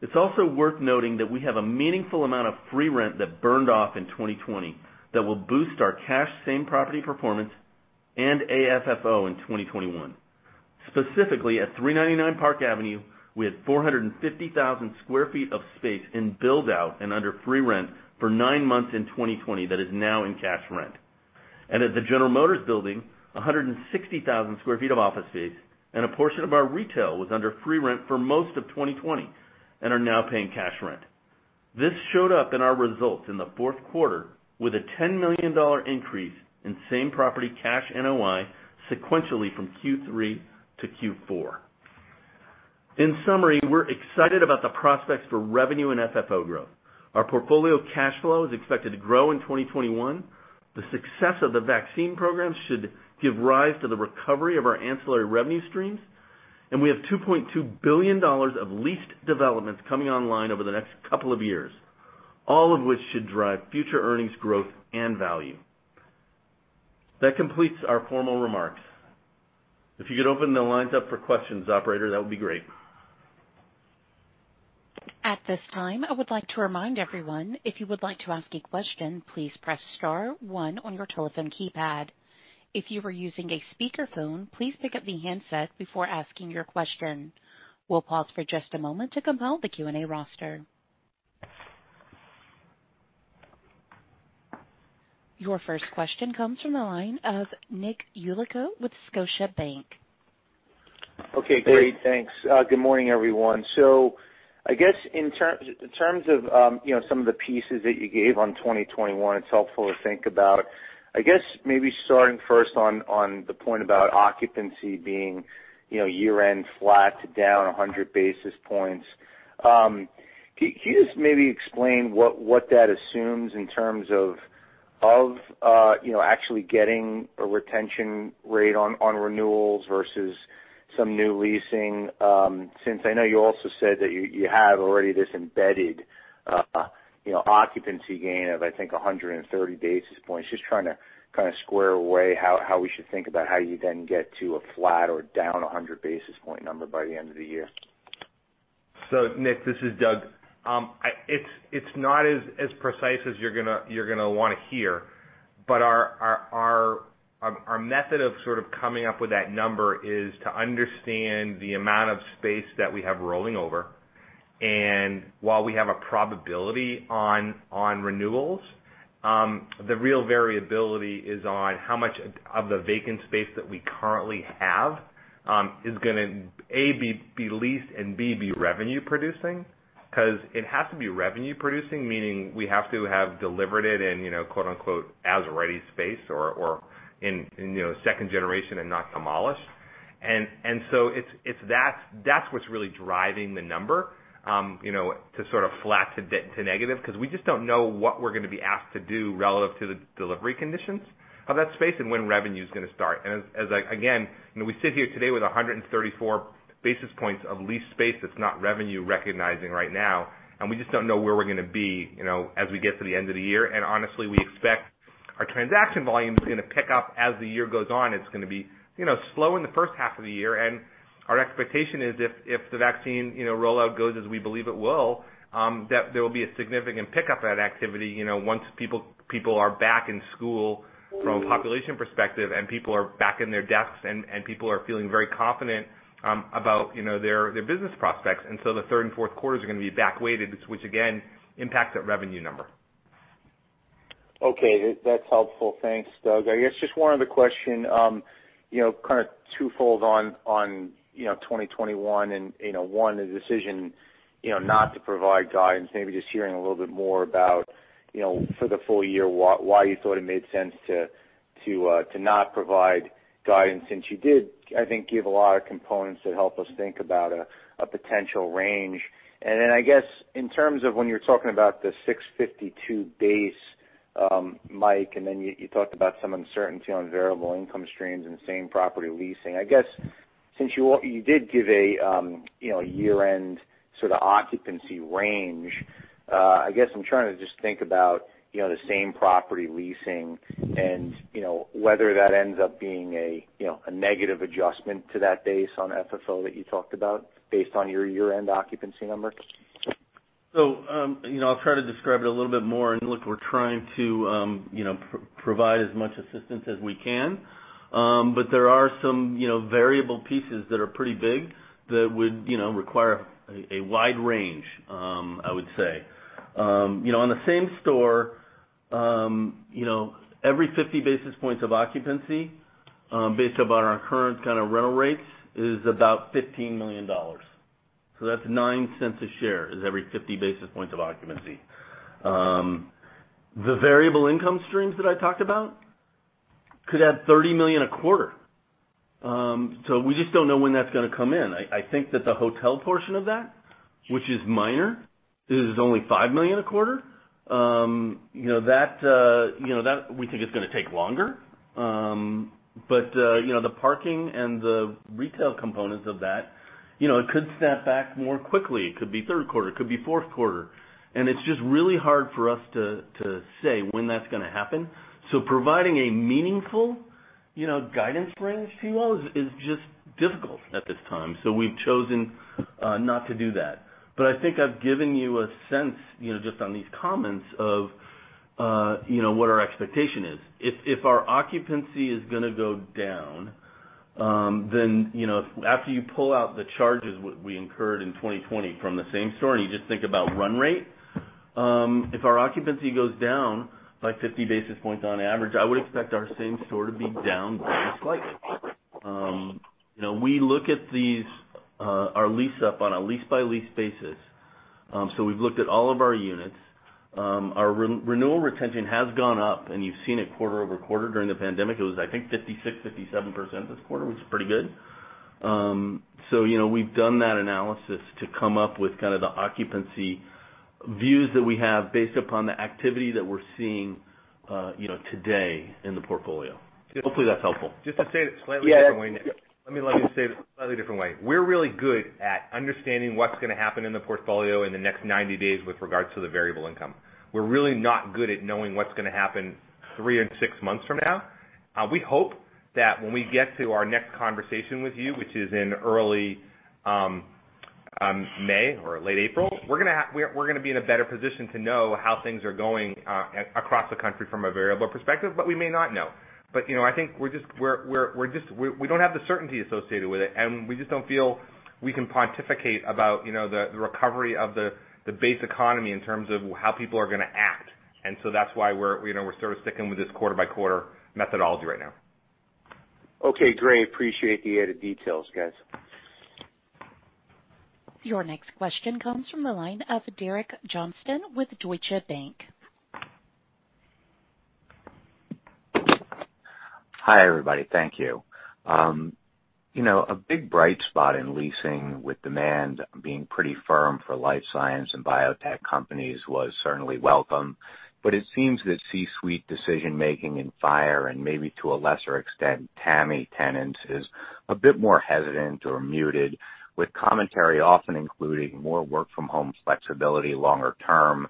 Speaker 5: It's also worth noting that we have a meaningful amount of free rent that burned off in 2020 that will boost our cash same-property performance and AFFO in 2021. Specifically, at 399 Park Avenue, we had 450,000 sq ft of space in build-out and under free rent for nine months in 2020 that is now in cash rent. At the General Motors Building, 160,000 sq ft of office space and a portion of our retail was under free rent for most of 2020 and are now paying cash rent. This showed up in our results in the fourth quarter with a $10 million increase in same property cash NOI sequentially from Q3 to Q4. In summary, we're excited about the prospects for revenue and FFO growth. Our portfolio of cash flow is expected to grow in 2021. The success of the vaccine program should give rise to the recovery of our ancillary revenue streams. We have $2.2 billion of leased developments coming online over the next couple of years, all of which should drive future earnings growth and value. That completes our formal remarks. If you could open the lines up for questions, operator, that would be great.
Speaker 1: At this time, I would like to remind everyone, if you would like to ask a question, please press star one on your telephone keypad. If you are using a speakerphone, please pick up the handset before asking your question. We'll pause for just a moment to compile the Q&A roster. Your first question comes from the line of Nick Yulico with Scotiabank.
Speaker 6: Okay, great. Thanks. Good morning, everyone. I guess in terms of some of the pieces that you gave on 2021, it's helpful to think about. I guess maybe starting first on the point about occupancy being year-end flat to down 100 basis points. Can you just maybe explain what that assumes in terms of actually getting a retention rate on renewals versus some new leasing? I know you also said that you have already this embedded occupancy gain of, I think, 130 basis points. I am just trying to kind of square away how we should think about how you then get to a flat or down 100 basis point number by the end of the year.
Speaker 4: Nick, this is Doug. It's not as precise as you're going to want to hear, but our method of sort of coming up with that number is to understand the amount of space that we have rolling over. While we have a probability on renewals, the real variability is on how much of the vacant space that we currently have is going to, A, be leased, and B, be revenue producing. Because it has to be revenue producing, meaning we have to have delivered it in "as ready" space or in second generation and not demolished. That's what's really driving the number, to sort of flat to negative, because we just don't know what we're going to be asked to do relative to the delivery conditions of that space and when revenue is going to start. Again, we sit here today with 134 basis points of leased space that's not revenue recognizing right now, and we just don't know where we're going to be as we get to the end of the year. Honestly, we expect our transaction volume is going to pick up as the year goes on. It's going to be slow in the first half of the year, and our expectation is if the vaccine rollout goes as we believe it will, that there will be a significant pickup of that activity once people are back in school from a population perspective and people are back in their desks and people are feeling very confident about their business prospects. The third and fourth quarters are going to be back-weighted, which again, impacts that revenue number.
Speaker 6: Okay. That's helpful. Thanks, Doug. I guess just one other question, kind of twofold on 2021 and one, the decision not to provide guidance. Maybe just hearing a little bit more about for the full year, why you thought it made sense to not provide guidance, since you did, I think, give a lot of components that help us think about a potential range. I guess in terms of when you're talking about the $6.52 base, Mike, and then you talked about some uncertainty on variable income streams and same-property leasing. I guess since you did give a year-end sort of occupancy range, I guess I'm trying to just think about the same-property leasing and whether that ends up being a negative adjustment to that base on FFO that you talked about based on your year-end occupancy number.
Speaker 5: I'll try to describe it a little bit more, and look, we're trying to provide as much assistance as we can. There are some variable pieces that are pretty big that would require a wide range, I would say. On the same store, every 50 basis points of occupancy, based upon our current kind of rental rates, is about $15 million. That's $0.09 a share is every 50 basis points of occupancy. The variable income streams that I talked about could add $30 million a quarter. We just don't know when that's going to come in. I think that the hotel portion of that Which is minor. This is only $5 million a quarter. That we think is going to take longer. The parking and the retail components of that, it could snap back more quickly. It could be third quarter, it could be fourth quarter. It's just really hard for us to say when that's going to happen. Providing a meaningful guidance range to you all is just difficult at this time. We've chosen not to do that. I think I've given you a sense, just on these comments, of what our expectation is. If our occupancy is going to go down, then after you pull out the charges we incurred in 2020 from the same store, and you just think about run rate. If our occupancy goes down by 50 basis points on average, I would expect our same store to be down very slightly. We look at our lease up on a lease-by-lease basis. We've looked at all of our units. Our renewal retention has gone up, and you've seen it quarter-over-quarter during the Pandemic. It was, I think, 56%, 57% this quarter, which is pretty good. We've done that analysis to come up with kind of the occupancy views that we have based upon the activity that we're seeing today in the portfolio. Hopefully that's helpful.
Speaker 4: Just to say it a slightly different way, Nick. Let me say this a slightly different way. We're really good at understanding what's going to happen in the portfolio in the next 90 days with regards to the variable income. We're really not good at knowing what's going to happen three and six months from now. We hope that when we get to our next conversation with you, which is in early May or late April, we're going to be in a better position to know how things are going across the country from a variable perspective, but we may not know. I think we don't have the certainty associated with it, and we just don't feel we can pontificate about the recovery of the base economy in terms of how people are going to act. That's why we're sort of sticking with this quarter-by-quarter methodology right now.
Speaker 6: Okay, great. Appreciate the added details, guys.
Speaker 1: Your next question comes from the line of Derek Johnston with Deutsche Bank.
Speaker 7: Hi, everybody. Thank you. A big bright spot in leasing with demand being pretty firm for life science and biotech companies was certainly welcome. It seems that C-suite decision-making in FIRE and maybe to a lesser extent, TAMI tenants, is a bit more hesitant or muted, with commentary often including more work from home flexibility longer term.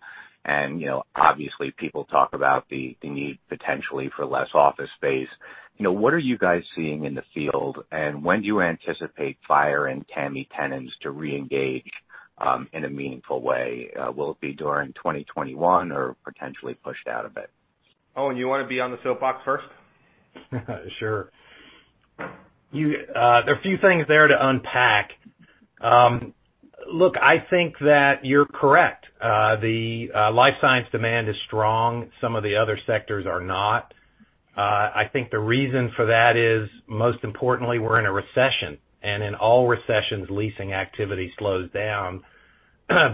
Speaker 7: Obviously, people talk about the need potentially for less office space. What are you guys seeing in the field, and when do you anticipate FIRE and TAMI tenants to re-engage in a meaningful way? Will it be during 2021 or potentially pushed out a bit?
Speaker 4: Owen, you want to be on the soapbox first?
Speaker 3: Sure. There are a few things there to unpack. Look, I think that you're correct. The life science demand is strong. Some of the other sectors are not. I think the reason for that is, most importantly, we're in a recession, and in all recessions, leasing activity slows down.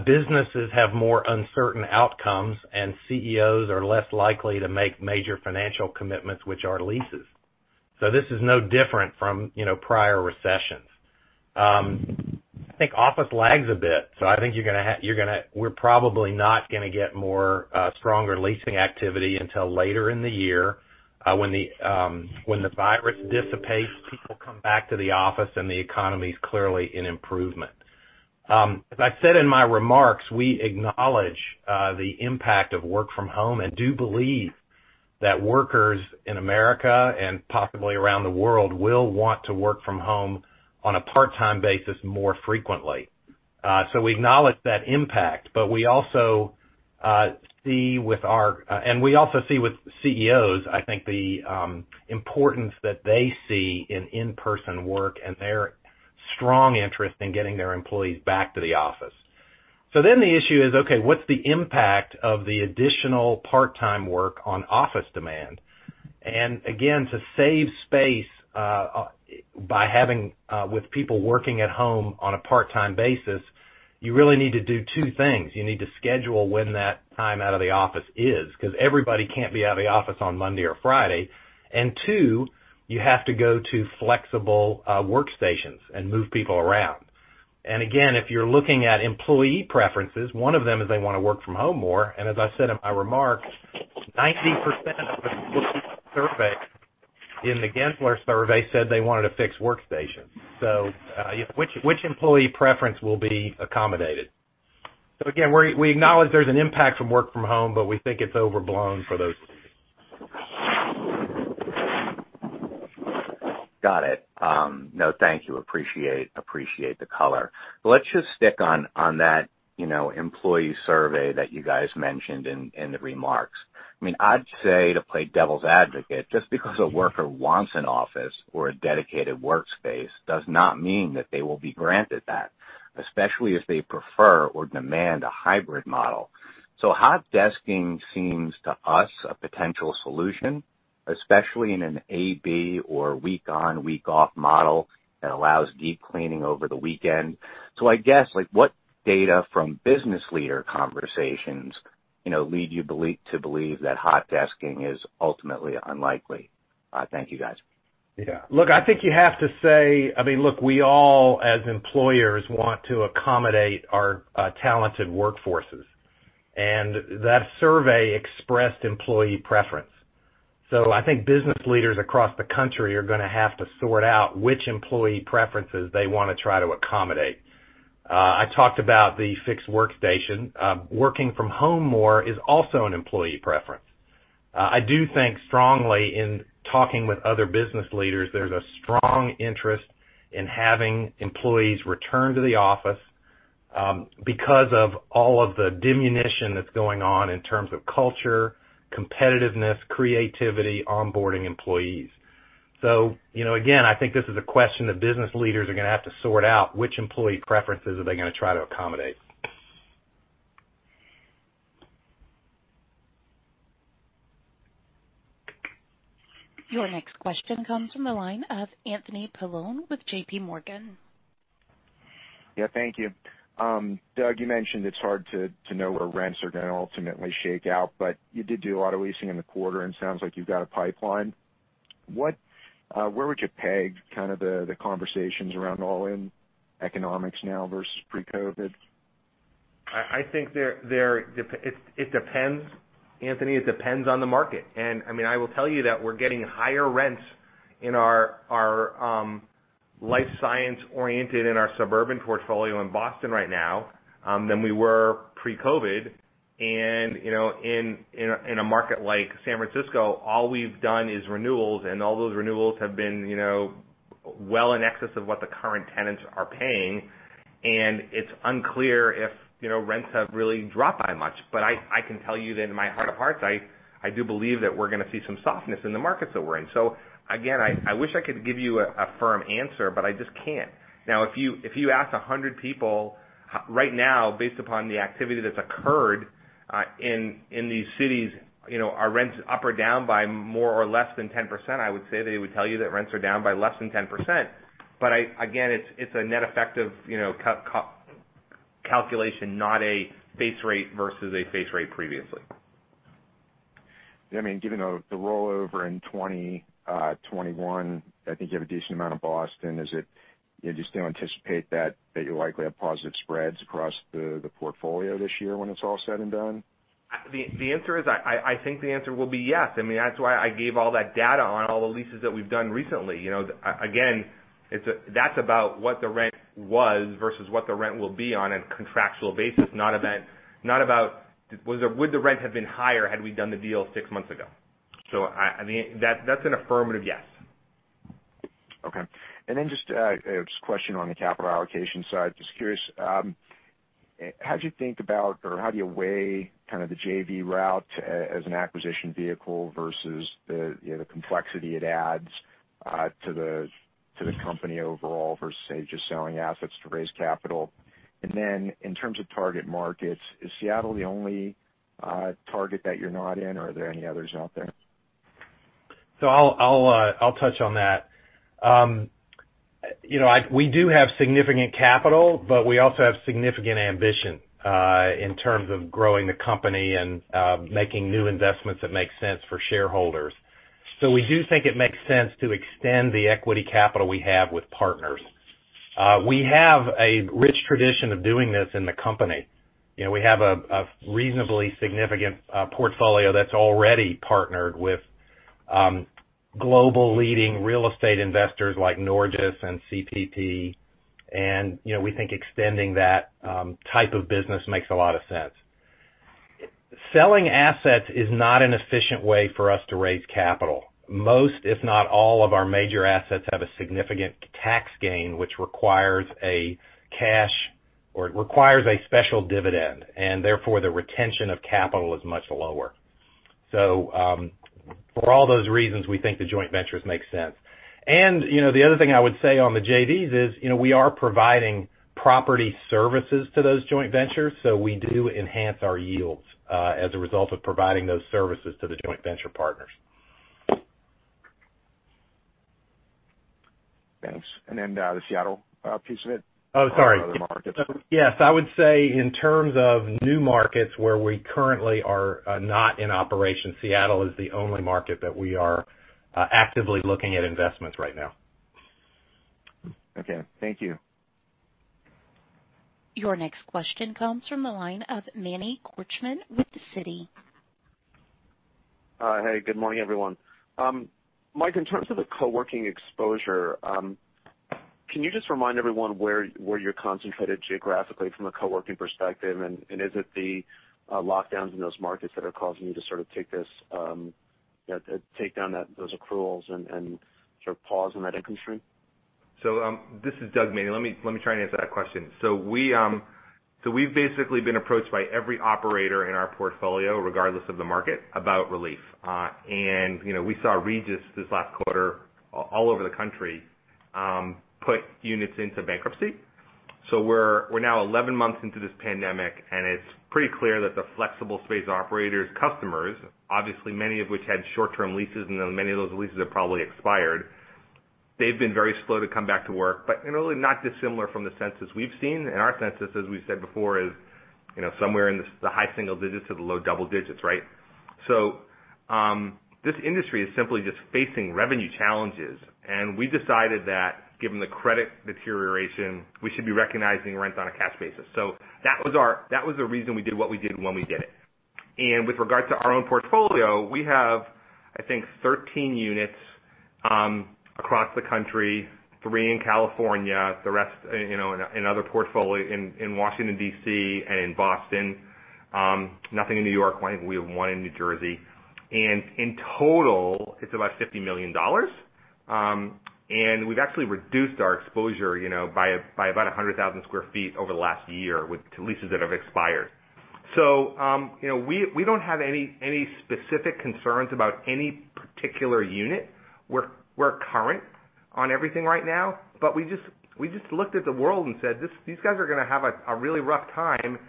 Speaker 3: Businesses have more uncertain outcomes, and CEOs are less likely to make major financial commitments, which are leases. This is no different from prior recessions. I think office lags a bit. I think we're probably not going to get more stronger leasing activity until later in the year, when the virus dissipates, people come back to the office, and the economy's clearly in improvement. As I said in my remarks, we acknowledge the impact of work from home and do believe that workers in America and possibly around the world will want to work from home on a part-time basis more frequently. We acknowledge that impact, but we also see with CEOs, I think, the importance that they see in in-person work and their strong interest in getting their employees back to the office. The issue is, okay, what's the impact of the additional part-time work on office demand? Again, to save space, by having with people working at home on a part-time basis, you really need to do two things. You need to schedule when that time out of the office is, because everybody can't be out of the office on Monday or Friday. Two, you have to go to flexible workstations and move people around. Again, if you're looking at employee preferences, one of them is they want to work from home more. As I said in my remarks, 90% of the people surveyed in the Gensler survey said they wanted a fixed workstation. Which employee preference will be accommodated? Again, we acknowledge there's an impact from work from home, but we think it's overblown for those.
Speaker 7: Got it. No, thank you. Appreciate the color. Let's just stick on that employee survey that you guys mentioned in the remarks. I'd say to play devil's advocate, just because a worker wants an office or a dedicated workspace, does not mean that they will be granted that, especially if they prefer or demand a hybrid model. Hot desking seems to us a potential solution, especially in an AB or week on, week off model that allows deep cleaning over the weekend. I guess, what data from business leader conversations lead you to believe that hot desking is ultimately unlikely? Thank you, guys.
Speaker 3: Look, I think you have to say We all, as employers, want to accommodate our talented workforces. That survey expressed employee preference. I think business leaders across the country are going to have to sort out which employee preferences they want to try to accommodate. I talked about the fixed workstation. Working from home more is also an employee preference. I do think strongly in talking with other business leaders, there's a strong interest in having employees return to the office because of all of the diminution that's going on in terms of culture, competitiveness, creativity, onboarding employees. Again, I think this is a question that business leaders are going to have to sort out, which employee preferences are they going to try to accommodate.
Speaker 1: Your next question comes from the line of Anthony Paolone with JPMorgan.
Speaker 8: Yeah, thank you. Doug, you mentioned it's hard to know where rents are going to ultimately shake out, but you did do a lot of leasing in the quarter, and sounds like you've got a pipeline. Where would you peg the conversations around all-in economics now versus pre-COVID-19?
Speaker 4: I think it depends, Anthony. It depends on the market. I will tell you that we're getting higher rents in our life science oriented in our suburban portfolio in Boston right now than we were pre-COVID. In a market like San Francisco, all we've done is renewals, and all those renewals have been well in excess of what the current tenants are paying. It's unclear if rents have really dropped by much. I can tell you that in my heart of hearts, I do believe that we're going to see some softness in the markets that we're in. Again, I wish I could give you a firm answer, but I just can't. If you ask 100 people right now, based upon the activity that's occurred, in these cities, are rents up or down by more or less than 10%, I would say they would tell you that rents are down by less than 10%. Again, it's a net effective calculation, not a base rate versus a base rate previously.
Speaker 8: Yeah. Given the rollover in 2021, I think you have a decent amount of Boston. Do you still anticipate that you'll likely have positive spreads across the portfolio this year when it's all said and done?
Speaker 4: I think the answer will be yes. That's why I gave all that data on all the leases that we've done recently. Again, that's about what the rent was versus what the rent will be on a contractual basis, not about would the rent have been higher had we done the deal six months ago. That's an affirmative yes.
Speaker 8: Okay. Then just a question on the capital allocation side. Just curious, how do you think about, or how do you weigh the JV route as an acquisition vehicle versus the complexity it adds to the company overall versus, say, just selling assets to raise capital? Then in terms of target markets, is Seattle the only target that you're not in, or are there any others out there?
Speaker 3: I'll touch on that. We do have significant capital, but we also have significant ambition in terms of growing the company and making new investments that make sense for shareholders. We do think it makes sense to extend the equity capital we have with partners. We have a rich tradition of doing this in the company. We have a reasonably significant portfolio that's already partnered with global leading real estate investors like Norges and GIC, and we think extending that type of business makes a lot of sense. Selling assets is not an efficient way for us to raise capital. Most, if not all of our major assets have a significant tax gain, which requires a cash, or it requires a special dividend, and therefore, the retention of capital is much lower. For all those reasons, we think the joint ventures make sense. The other thing I would say on the JVs is, we are providing property services to those joint ventures, so we do enhance our yields as a result of providing those services to the joint venture partners.
Speaker 8: Thanks. The Seattle piece of it.
Speaker 3: Oh, sorry.
Speaker 8: Or other markets.
Speaker 3: Yes. I would say in terms of new markets where we currently are not in operation, Seattle is the only market that we are actively looking at investments right now.
Speaker 8: Okay. Thank you.
Speaker 1: Your next question comes from the line of Manny Korchman with Citi.
Speaker 9: Hey, good morning, everyone. Mike, in terms of the co-working exposure, can you just remind everyone where you're concentrated geographically from a co-working perspective? Is it the lockdowns in those markets that are causing you to sort of take down those accruals and sort of pause on that income stream?
Speaker 4: This is Doug, Manny. Let me try and answer that question. We've basically been approached by every operator in our portfolio, regardless of the market, about relief. We saw Regus this last quarter all over the country, put units into bankruptcy. We're now 11 months into this pandemic, and it's pretty clear that the flexible space operators' customers, obviously many of which had short-term leases, and then many of those leases have probably expired. They've been very slow to come back to work. In all, not dissimilar from the census we've seen. Our census, as we've said before, is somewhere in the high single digits to the low double digits, right? This industry is simply just facing revenue challenges. We decided that given the credit deterioration, we should be recognizing rent on a cash basis. That was the reason we did what we did when we did it. With regard to our own portfolio, we have, I think, 13 units across the country, three in California, the rest in other portfolio in Washington, D.C., and Boston. Nothing in New York. I think we have one in New Jersey. In total, it's about $50 million. We've actually reduced our exposure by about 100,000 sq ft over the last year with leases that have expired. We don't have any specific concerns about any particular unit. We're current on everything right now. We just looked at the world and said, "These guys are going to have a really rough time."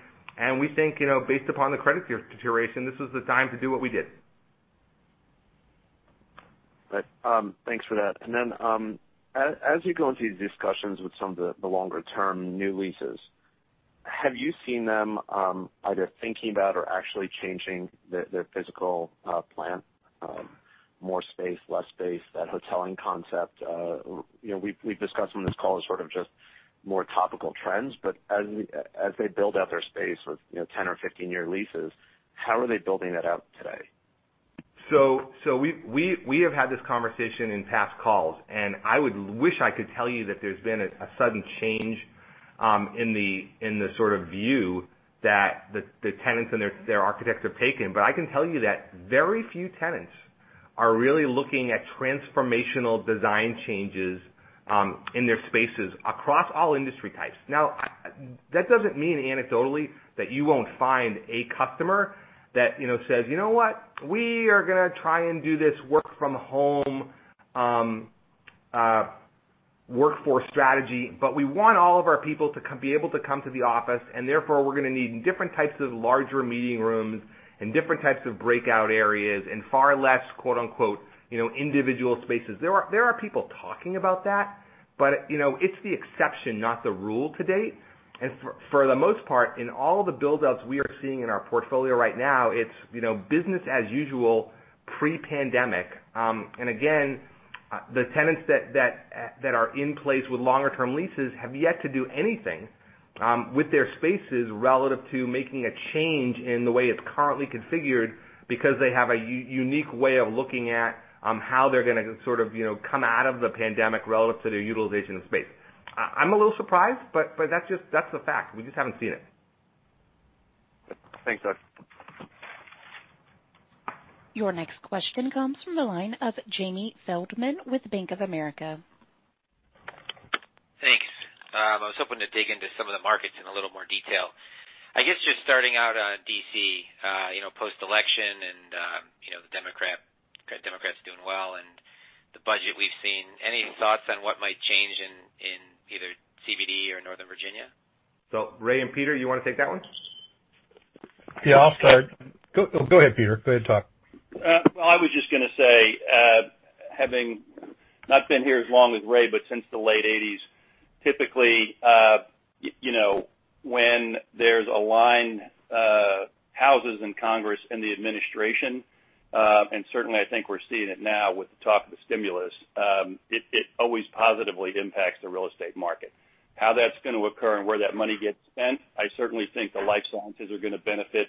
Speaker 4: We think, based upon the credit deterioration, this is the time to do what we did.
Speaker 9: Right. Thanks for that. Then as you go into these discussions with some of the longer-term new leases, have you seen them either thinking about or actually changing their physical plan? More space, less space, that hoteling concept. We've discussed on this call sort of just more topical trends. As they build out their space with 10 or 15-year leases, how are they building that out today?
Speaker 4: We have had this conversation in past calls, and I would wish I could tell you that there's been a sudden change in the sort of view that the tenants and their architects have taken. I can tell you that very few tenants are really looking at transformational design changes in their spaces across all industry types. That doesn't mean anecdotally that you won't find a customer that says, "You know what? We are going to try and do this work from home workforce strategy, but we want all of our people to be able to come to the office, and therefore we're going to need different types of larger meeting rooms and different types of breakout areas and far less quote, unquote, individual spaces." There are people talking about that, but it's the exception, not the rule to-date. For the most part, in all of the build-outs we are seeing in our portfolio right now, it's business as usual, pre-pandemic. Again, the tenants that are in place with longer-term leases have yet to do anything with their spaces relative to making a change in the way it's currently configured because they have a unique way of looking at how they're going to sort of come out of the pandemic relative to their utilization of space. I'm a little surprised, but that's the fact. We just haven't seen it.
Speaker 9: Thanks, Doug.
Speaker 1: Your next question comes from the line of Jamie Feldman with Bank of America.
Speaker 10: Thanks. I was hoping to dig into some of the markets in a little more detail. I guess just starting out on D.C., post-election and the Democrats doing well, and the budget we've seen. Any thoughts on what might change in either CBD or Northern Virginia?
Speaker 4: Ray and Peter, you want to take that one?
Speaker 11: Yeah, I'll start. Go ahead, Peter. Go ahead, talk.
Speaker 12: I was just going to say, having not been here as long as Ray, but since the late 1980s. Typically, when there's aligned houses in Congress and the administration, and certainly I think we're seeing it now with the talk of the stimulus, it always positively impacts the real estate market. How that's going to occur and where that money gets spent, I certainly think the life sciences are going to benefit,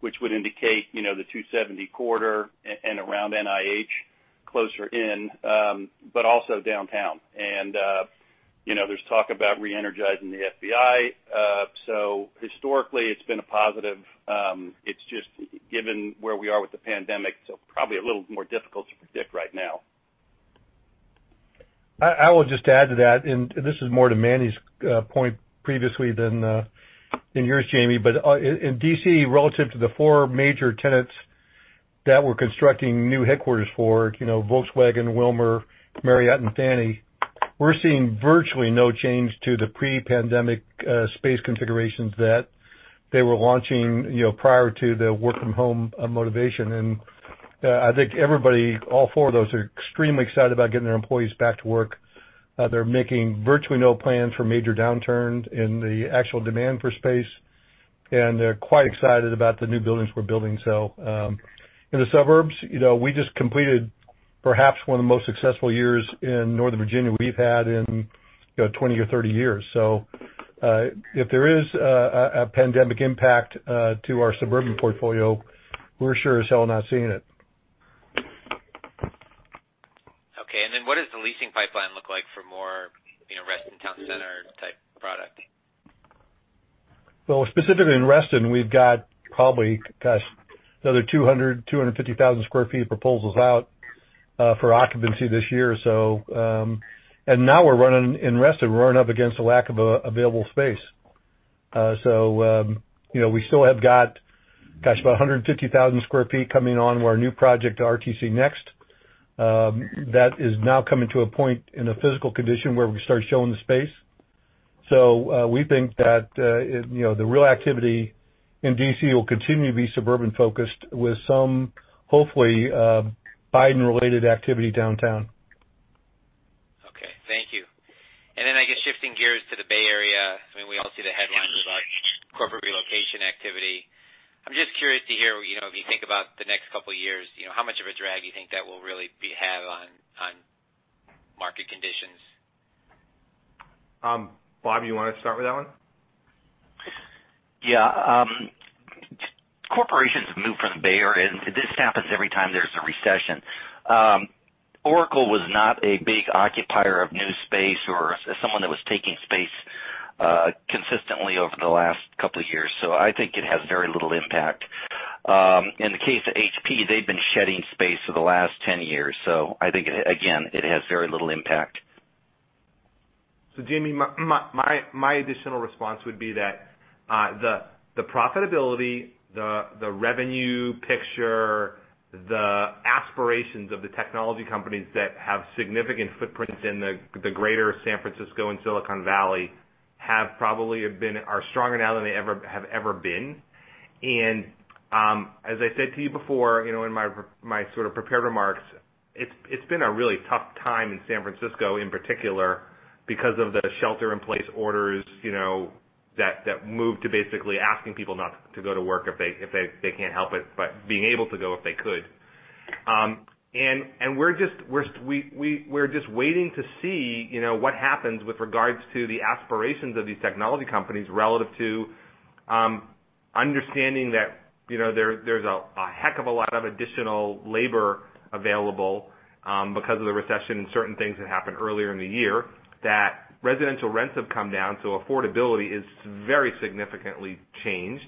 Speaker 12: which would indicate the 270 corridor and around NIH, closer in, but also downtown. There's talk about re-energizing the FBI. Historically, it's been a positive. It's just given where we are with the pandemic, so probably a little more difficult to predict right now.
Speaker 11: I will just add to that. This is more to Manny's point previously than yours, Jamie. In D.C., relative to the four major tenants that we're constructing new headquarters for, Volkswagen, WilmerHale, Marriott, and Fannie, we're seeing virtually no change to the pre-pandemic space configurations that they were launching prior to the work from home motivation. I think everybody, all four of those, are extremely excited about getting their employees back to work. They're making virtually no plans for major downturns in the actual demand for space, and they're quite excited about the new buildings we're building. In the suburbs, we just completed perhaps one of the most successful years in Northern Virginia we've had in 20 or 30 years. If there is a pandemic impact to our suburban portfolio, we're sure as hell not seeing it.
Speaker 10: Okay, what does the leasing pipeline look like for more Reston Town Center type product?
Speaker 11: Well, specifically in Reston, we've got probably, gosh, another 200,000, 250,000 sq ft of proposals out for occupancy this year or so. Now in Reston, we're running up against a lack of available space. We still have got, gosh, about 150,000 sq ft coming on to our new project, Reston Next. That is now coming to a point in a physical condition where we can start showing the space. We think that the real activity in D.C. will continue to be suburban-focused with some, hopefully, Biden-related activity downtown.
Speaker 10: Okay. Thank you. I guess, shifting gears to the Bay Area, I mean, we all see the headlines about corporate relocation activity. I'm just curious to hear, if you think about the next couple of years, how much of a drag you think that will really have on market conditions?
Speaker 4: Bob, you want to start with that one?
Speaker 13: Yeah. Corporations have moved from the Bay Area. This happens every time there's a recession. Oracle was not a big occupier of new space or someone that was taking space consistently over the last couple of years. I think it has very little impact. In the case of HP, they've been shedding space for the last 10 years. I think, again, it has very little impact.
Speaker 4: Jamie, my additional response would be that the profitability, the revenue picture, the aspirations of the technology companies that have significant footprints in the greater San Francisco and Silicon Valley are stronger now than they have ever been. As I said to you before, in my sort of prepared remarks, it's been a really tough time in San Francisco in particular, because of the shelter-in-place orders, that move to basically asking people not to go to work if they can't help it, but being able to go if they could. We're just waiting to see what happens with regards to the aspirations of these technology companies relative to understanding that there's a heck of a lot of additional labor available because of the recession and certain things that happened earlier in the year. That residential rents have come down, so affordability is very significantly changed.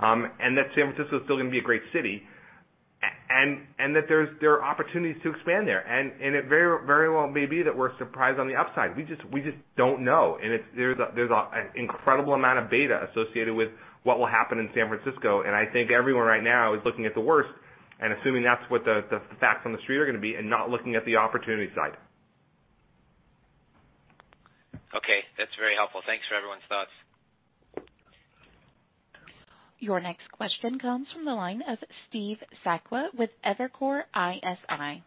Speaker 4: That San Francisco is still going to be a great city, and that there are opportunities to expand there. It very well may be that we're surprised on the upside. We just don't know. There's an incredible amount of data associated with what will happen in San Francisco, and I think everyone right now is looking at the worst and assuming that's what the facts on the street are going to be and not looking at the opportunity side.
Speaker 10: Okay. That's very helpful. Thanks for everyone's thoughts.
Speaker 1: Your next question comes from the line of Steve Sakwa with Evercore ISI.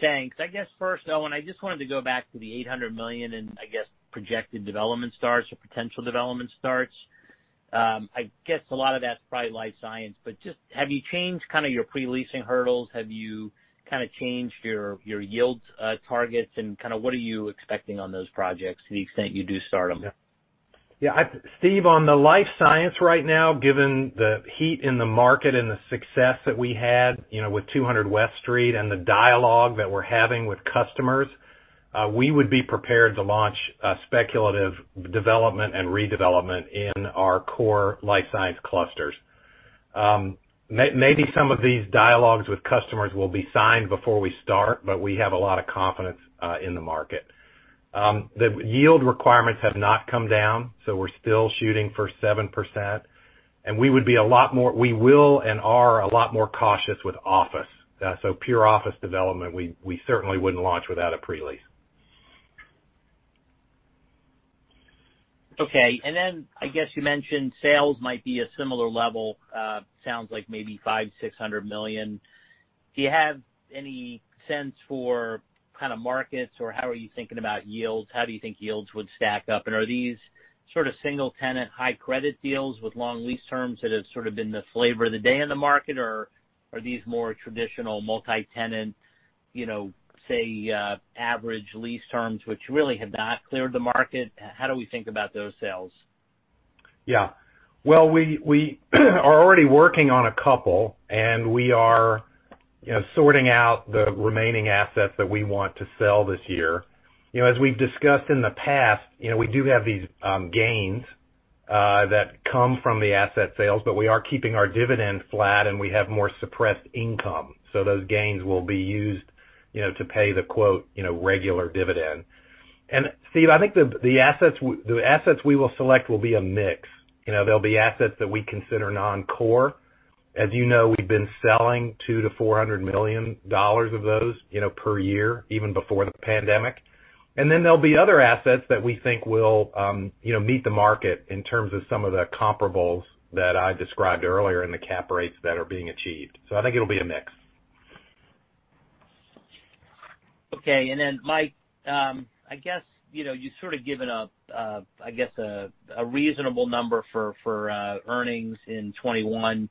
Speaker 14: Thanks. I guess first, Owen, I just wanted to go back to the $800 million in, I guess, projected development starts or potential development starts. I guess a lot of that's probably life science, just have you changed kind of your pre-leasing hurdles? Have you kind of changed your yields targets? What are you expecting on those projects to the extent you do start them?
Speaker 3: Yeah. Steve, on the life science right now, given the heat in the market and the success that we had with 200 West Street and the dialogue that we're having with customers, we would be prepared to launch a speculative development and redevelopment in our core life science clusters. Maybe some of these dialogues with customers will be signed before we start, but we have a lot of confidence in the market. The yield requirements have not come down, so we're still shooting for 7%. We will, and are, a lot more cautious with office. Pure office development, we certainly wouldn't launch without a pre-lease.
Speaker 14: Okay. I guess you mentioned sales might be a similar level. Sounds like maybe $500 million-$600 million. Do you have any sense for kind of markets, or how are you thinking about yields? How do you think yields would stack up? Are these sort of single-tenant, high-credit deals with long lease terms that have sort of been the flavor of the day in the market, or are these more traditional multi-tenant, say, average lease terms which really have not cleared the market? How do we think about those sales?
Speaker 3: Yeah. Well, we are already working on a couple, and we are sorting out the remaining assets that we want to sell this year. As we've discussed in the past, we do have these gains that come from the asset sales, but we are keeping our dividend flat, and we have more suppressed income. Those gains will be used to pay the quote, "regular dividend." Steve, I think the assets we will select will be a mix. There'll be assets that we consider non-core. As you know, we've been selling $200 million-$400 million of those per year, even before the pandemic. There'll be other assets that we think will meet the market in terms of some of the comparables that I described earlier and the cap rates that are being achieved. I think it'll be a mix.
Speaker 14: Okay. Mike, I guess, you've sort of given a reasonable number for earnings in 2021.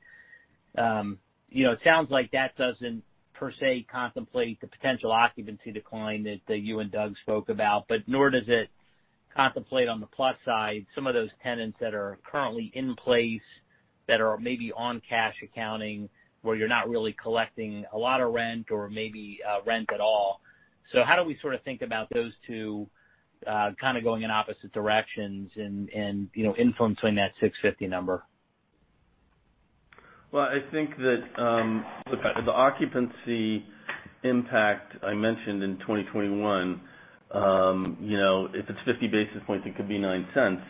Speaker 14: It sounds like that doesn't per se contemplate the potential occupancy decline that you and Doug spoke about, but nor does it contemplate, on the plus side, some of those tenants that are currently in place that are maybe on cash accounting, where you're not really collecting a lot of rent or maybe rent at all. How do we sort of think about those two kind of going in opposite directions and influencing that 650 number?
Speaker 5: Well, I think that the occupancy impact I mentioned in 2021, if it's 50 basis points, it could be $0.09.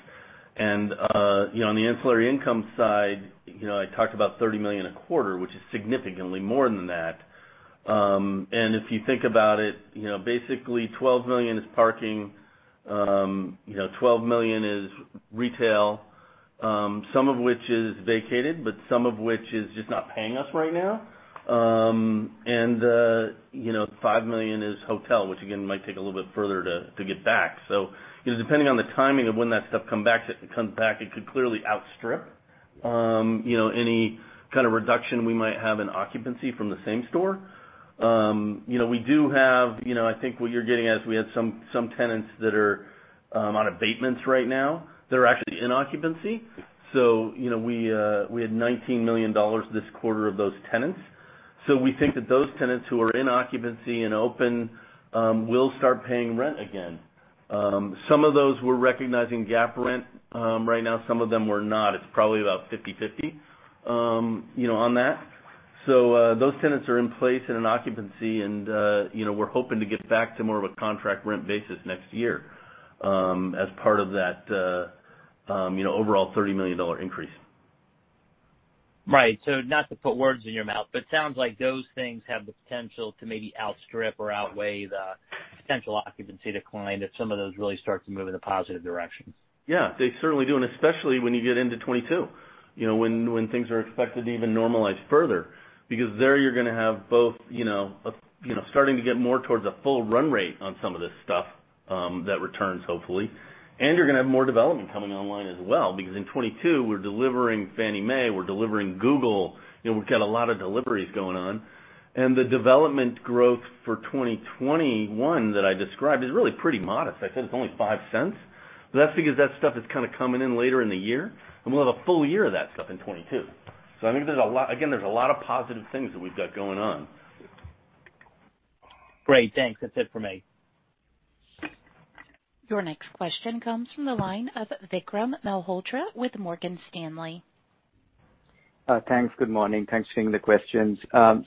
Speaker 5: On the ancillary income side, I talked about $30 million a quarter, which is significantly more than that. If you think about it, basically, $12 million is parking, $12 million is retail, some of which is vacated, but some of which is just not paying us right now. $5 million is hotel, which again, might take a little bit further to get back. Depending on the timing of when that stuff comes back, it could clearly outstrip any kind of reduction we might have in occupancy from the same store. I think what you're getting at is we had some tenants that are on abatements right now that are actually in occupancy. We had $19 million this quarter of those tenants. We think that those tenants who are in occupancy and open will start paying rent again. Some of those we're recognizing GAAP rent right now, some of them we're not. It's probably about 50/50 on that. Those tenants are in place in an occupancy, and we're hoping to get back to more of a contract rent basis next year as part of that overall $30 million increase.
Speaker 14: Right. Not to put words in your mouth, but sounds like those things have the potential to maybe outstrip or outweigh the potential occupancy decline if some of those really start to move in a positive direction.
Speaker 5: Yeah. They certainly do, and especially when you get into 2022, when things are expected to even normalize further. There you're going to have both starting to get more towards a full run rate on some of this stuff that returns hopefully, and you're going to have more development coming online as well. In 2022, we're delivering Fannie Mae, we're delivering Google. We've got a lot of deliveries going on. The development growth for 2021 that I described is really pretty modest. I said it's only $0.05, but that's because that stuff is kind of coming in later in the year, and we'll have a full year of that stuff in 2022. I think there's a lot, again, there's a lot of positive things that we've got going on.
Speaker 14: Great. Thanks. That's it for me.
Speaker 1: Your next question comes from the line of Vikram Malhotra with Morgan Stanley.
Speaker 15: Thanks. Good morning. Thanks for taking the questions.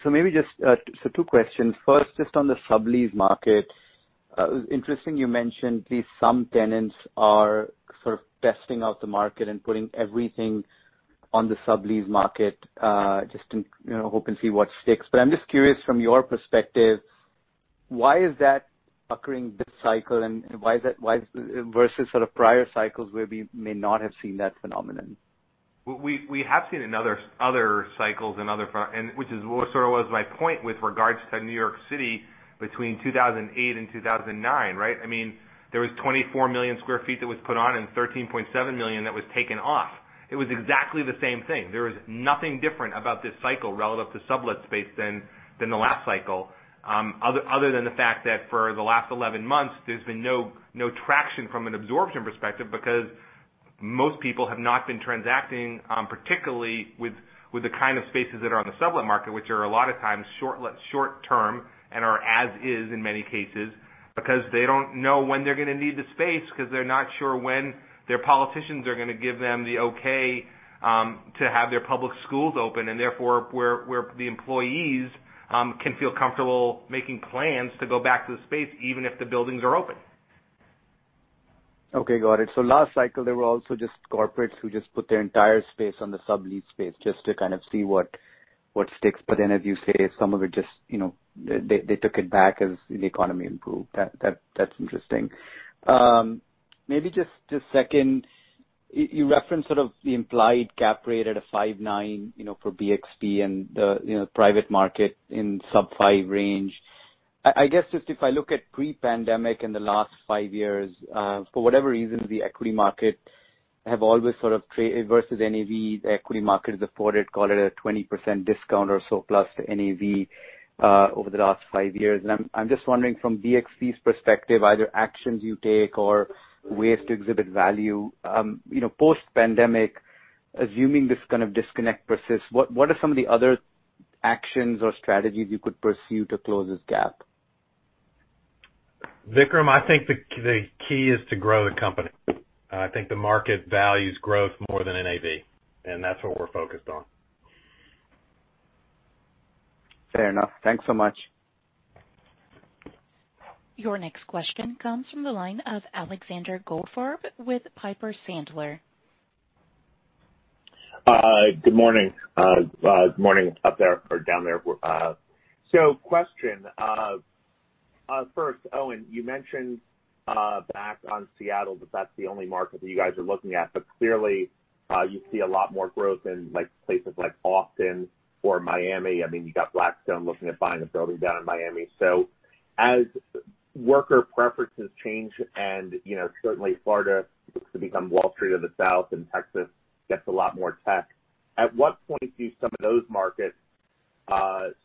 Speaker 15: Two questions. First, just on the sublease market. It was interesting you mentioned these some tenants are sort of testing out the market and putting everything on the sublease market, just to hope and see what sticks. I'm just curious from your perspective, why is that occurring this cycle and why versus sort of prior cycles where we may not have seen that phenomenon?
Speaker 4: We have seen in other cycles and other front, and which is sort of was my point with regards to New York City between 2008 and 2009, right? There was 24 million sq ft that was put on and 13.7 million that was taken off. It was exactly the same thing. There was nothing different about this cycle relative to sublet space than the last cycle. Other than the fact that for the last 11 months, there has been no traction from an absorption perspective because most people have not been transacting, particularly with the kind of spaces that are on the sublet market, which are a lot of times short-term and are as is in many cases, because they do not know when they are going to need the space because they are not sure when their politicians are going to give them the okay to have their public schools open, and therefore, where the employees can feel comfortable making plans to go back to the space even if the buildings are open.
Speaker 15: Okay. Got it. Last cycle, there were also just corporates who just put their entire space on the sublease space just to kind of see what sticks. As you say, some of it, they took it back as the economy improved. That's interesting. Maybe just to second, you referenced sort of the implied cap rate at a 5.9 for BXP and the private market in sub five range. If I look at pre-pandemic in the last five years, for whatever reason, the equity market have always sort of traded versus NAV, the equity market has afforded, call it a 20% discount or so plus to NAV over the last five years. I'm just wondering from BXP's perspective, either actions you take or ways to exhibit value. Post pandemic, assuming this kind of disconnect persists, what are some of the other actions or strategies you could pursue to close this gap?
Speaker 3: Vikram, I think the key is to grow the company. I think the market values growth more than NAV. That's what we're focused on.
Speaker 15: Fair enough. Thanks so much.
Speaker 1: Your next question comes from the line of Alexander Goldfarb with Piper Sandler.
Speaker 16: Good morning. Morning up there or down there. Question. First, Owen, you mentioned back on Seattle that that's the only market that you guys are looking at. Clearly, you see a lot more growth in places like Austin or Miami. You got Blackstone looking at buying a building down in Miami. As worker preferences change and certainly Florida looks to become Wall Street of the South and Texas gets a lot more tech, at what point do some of those markets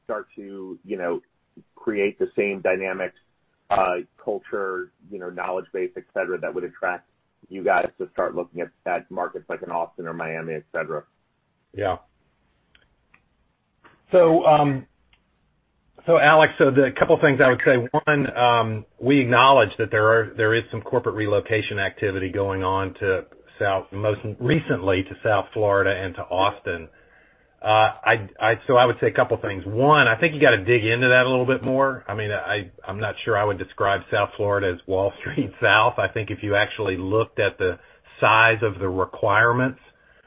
Speaker 16: start to create the same dynamics, culture, knowledge base, et cetera, that would attract you guys to start looking at markets like in Austin or Miami, et cetera?
Speaker 3: Yeah. Alex, there are a couple things I would say. One, we acknowledge that there is some corporate relocation activity going on most recently to South Florida and to Austin. I would say a couple things. One, I think you got to dig into that a little bit more. I'm not sure I would describe South Florida as Wall Street South. I think if you actually looked at the size of the requirements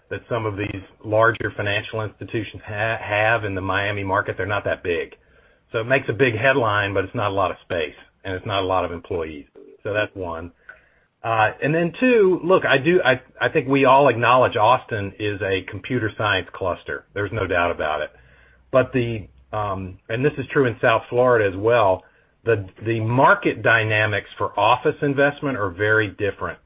Speaker 3: that some of these larger financial institutions have in the Miami market, they're not that big. It makes a big headline, but it's not a lot of space, and it's not a lot of employees. That's one. Two, look, I think we all acknowledge Austin is a computer science cluster. There's no doubt about it. This is true in South Florida as well, the market dynamics for office investment are very different.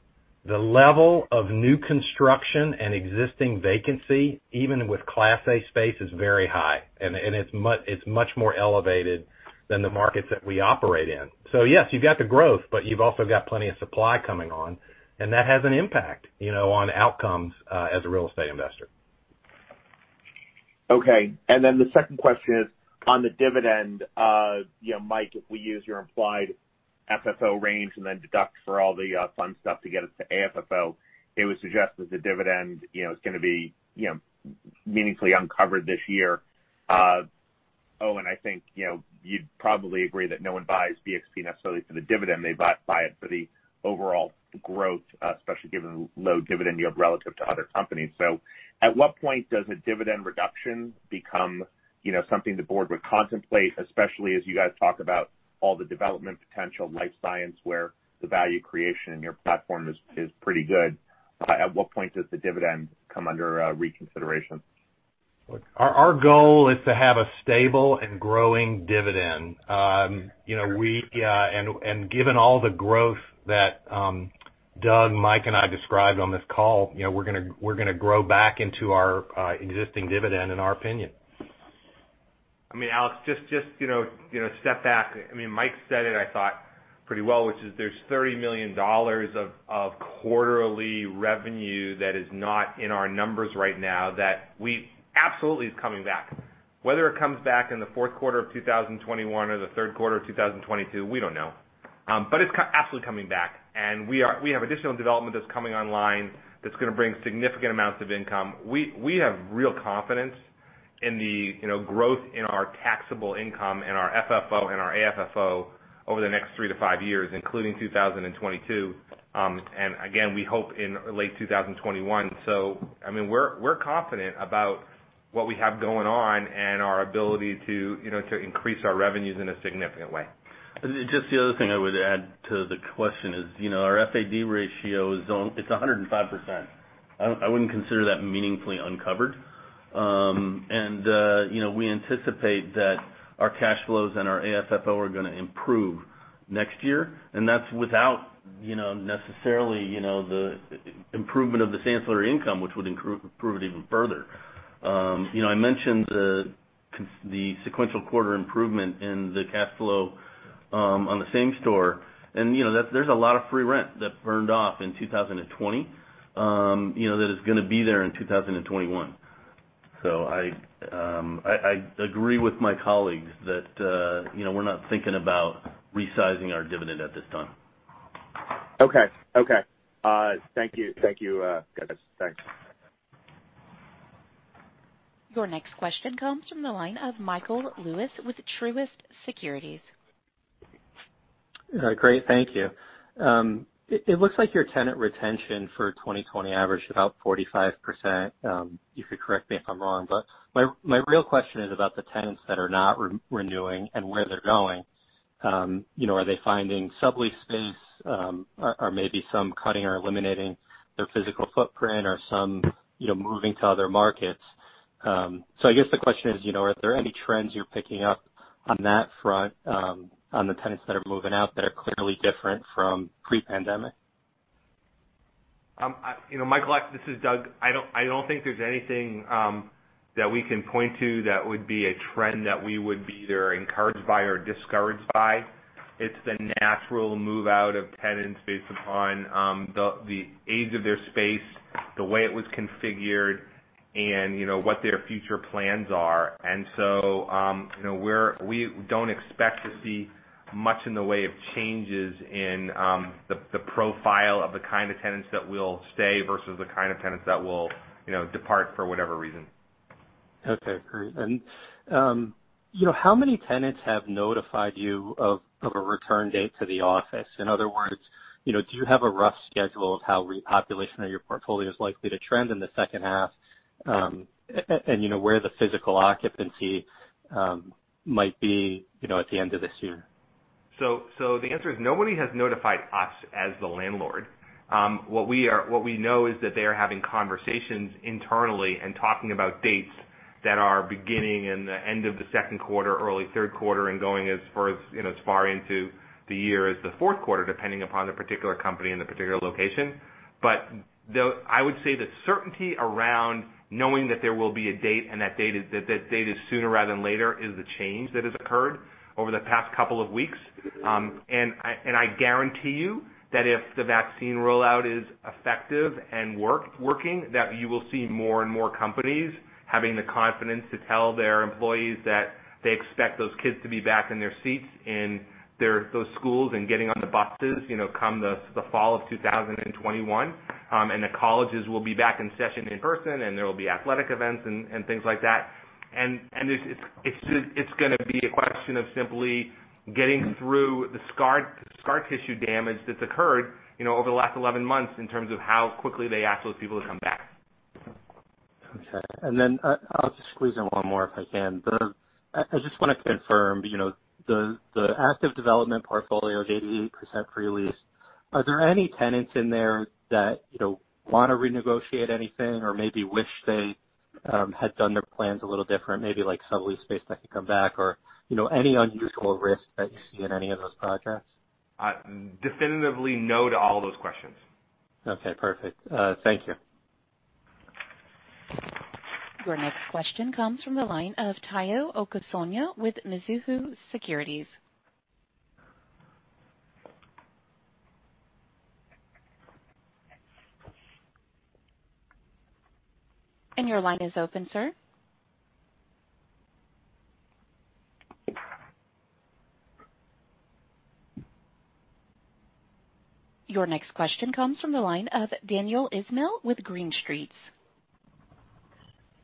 Speaker 3: The level of new construction and existing vacancy, even with class A space, is very high, and it's much more elevated than the markets that we operate in. Yes, you've got the growth, but you've also got plenty of supply coming on, and that has an impact on outcomes, as a real estate investor.
Speaker 16: The second question is on the dividend. Mike, if we use your implied FFO range and then deduct for all the fun stuff to get us to AFFO, it would suggest that the dividend is going to be meaningfully uncovered this year. I think you'd probably agree that no one buys BXP necessarily for the dividend. They buy it for the overall growth, especially given the low dividend yield relative to other companies. At what point does a dividend reduction become something the board would contemplate, especially as you guys talk about all the development potential in life science, where the value creation in your platform is pretty good. At what point does the dividend come under reconsideration?
Speaker 3: Look, our goal is to have a stable and growing dividend. Given all the growth that Doug, Mike, and I described on this call, we're going to grow back into our existing dividend, in our opinion.
Speaker 4: Alex, just step back. Mike said it, I thought, pretty well, which is there's $30 million of quarterly revenue that is not in our numbers right now, that absolutely is coming back. Whether it comes back in the fourth quarter of 2021 or the third quarter of 2022, we don't know. It's absolutely coming back, and we have additional development that's coming online that's going to bring significant amounts of income. We have real confidence in the growth in our taxable income and our FFO and our AFFO over the next 3 to 5 years, including 2022. Again, we hope in late 2021. We're confident about what we have going on and our ability to increase our revenues in a significant way.
Speaker 5: Just the other thing I would add to the question is, our FAD ratio is 105%. I wouldn't consider that meaningfully uncovered. We anticipate that our cash flows and our AFFO are going to improve next year, and that's without necessarily the improvement of the ancillary income, which would improve it even further. I mentioned the sequential quarter improvement in the cash flow on the same store, and there's a lot of free rent that burned off in 2020 that is going to be there in 2021. I agree with my colleagues that we're not thinking about resizing our dividend at this time.
Speaker 16: Okay. Thank you, guys. Thanks.
Speaker 1: Your next question comes from the line of Michael Lewis with Truist Securities.
Speaker 17: Great. Thank you. It looks like your tenant retention for 2020 averaged about 45%. You could correct me if I'm wrong, my real question is about the tenants that are not renewing and where they're going. Are they finding sublease space, maybe some cutting or eliminating their physical footprint or some moving to other markets? I guess the question is, are there any trends you're picking up on that front on the tenants that are moving out that are clearly different from pre-pandemic?
Speaker 4: Michael, this is Doug. I don't think there's anything that we can point to that would be a trend that we would be either encouraged by or discouraged by. It's the natural move-out of tenants based upon the age of their space, the way it was configured, and what their future plans are. We don't expect to see much in the way of changes in the profile of the kind of tenants that will stay versus the kind of tenants that will depart for whatever reason.
Speaker 17: Okay, great. How many tenants have notified you of a return date to the office? In other words, do you have a rough schedule of how repopulation of your portfolio is likely to trend in the second half, and where the physical occupancy might be at the end of this year?
Speaker 4: The answer is nobody has notified us as the landlord. What we know is that they are having conversations internally and talking about dates that are beginning in the end of the second quarter, early third quarter, and going as far into the year as the fourth quarter, depending upon the particular company and the particular location. But I would say the certainty around knowing that there will be a date, and that date is sooner rather than later is the change that has occurred over the past couple of weeks. And I guarantee you that if the vaccine rollout is effective and working, that you will see more and more companies having the confidence to tell their employees that they expect those kids to be back in their seats in those schools and getting on the buses come the fall of 2021. The colleges will be back in session in person, and there will be athletic events and things like that. It's going to be a question of simply getting through the scar tissue damage that's occurred over the last 11 months in terms of how quickly they ask those people to come back.
Speaker 17: Okay. Then I'll just squeeze in one more if I can. I just want to confirm, the active development portfolio is 88% pre-leased. Are there any tenants in there that want to renegotiate anything or maybe wish they had done their plans a little different, maybe like sublease space back to come back or any unusual risk that you see in any of those projects?
Speaker 4: Definitively no to all those questions.
Speaker 17: Okay, perfect. Thank you.
Speaker 1: Your next question comes from the line of Tayo Okusanya with Mizuho Securities. Your line is open, sir. Your next question comes from the line of Daniel Ismail with Green Street.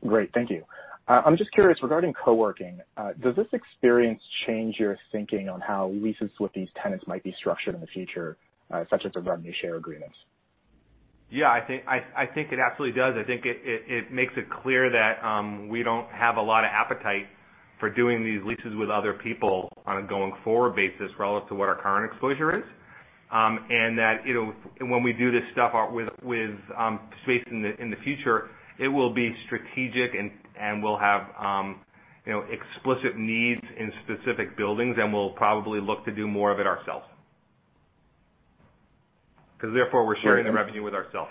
Speaker 1: Great. Thank you. I'm just curious, regarding co-working, does this experience change your thinking on how leases with these tenants might be structured in the future, such as a revenue share agreement?
Speaker 4: Yeah, I think it absolutely does. I think it makes it clear that we don't have a lot of appetite for doing these leases with other people on a going forward basis relative to what our current exposure is. That when we do this stuff with space in the future, it will be strategic, and we'll have explicit needs in specific buildings, and we'll probably look to do more of it ourselves. Therefore, we're sharing the revenue with ourself.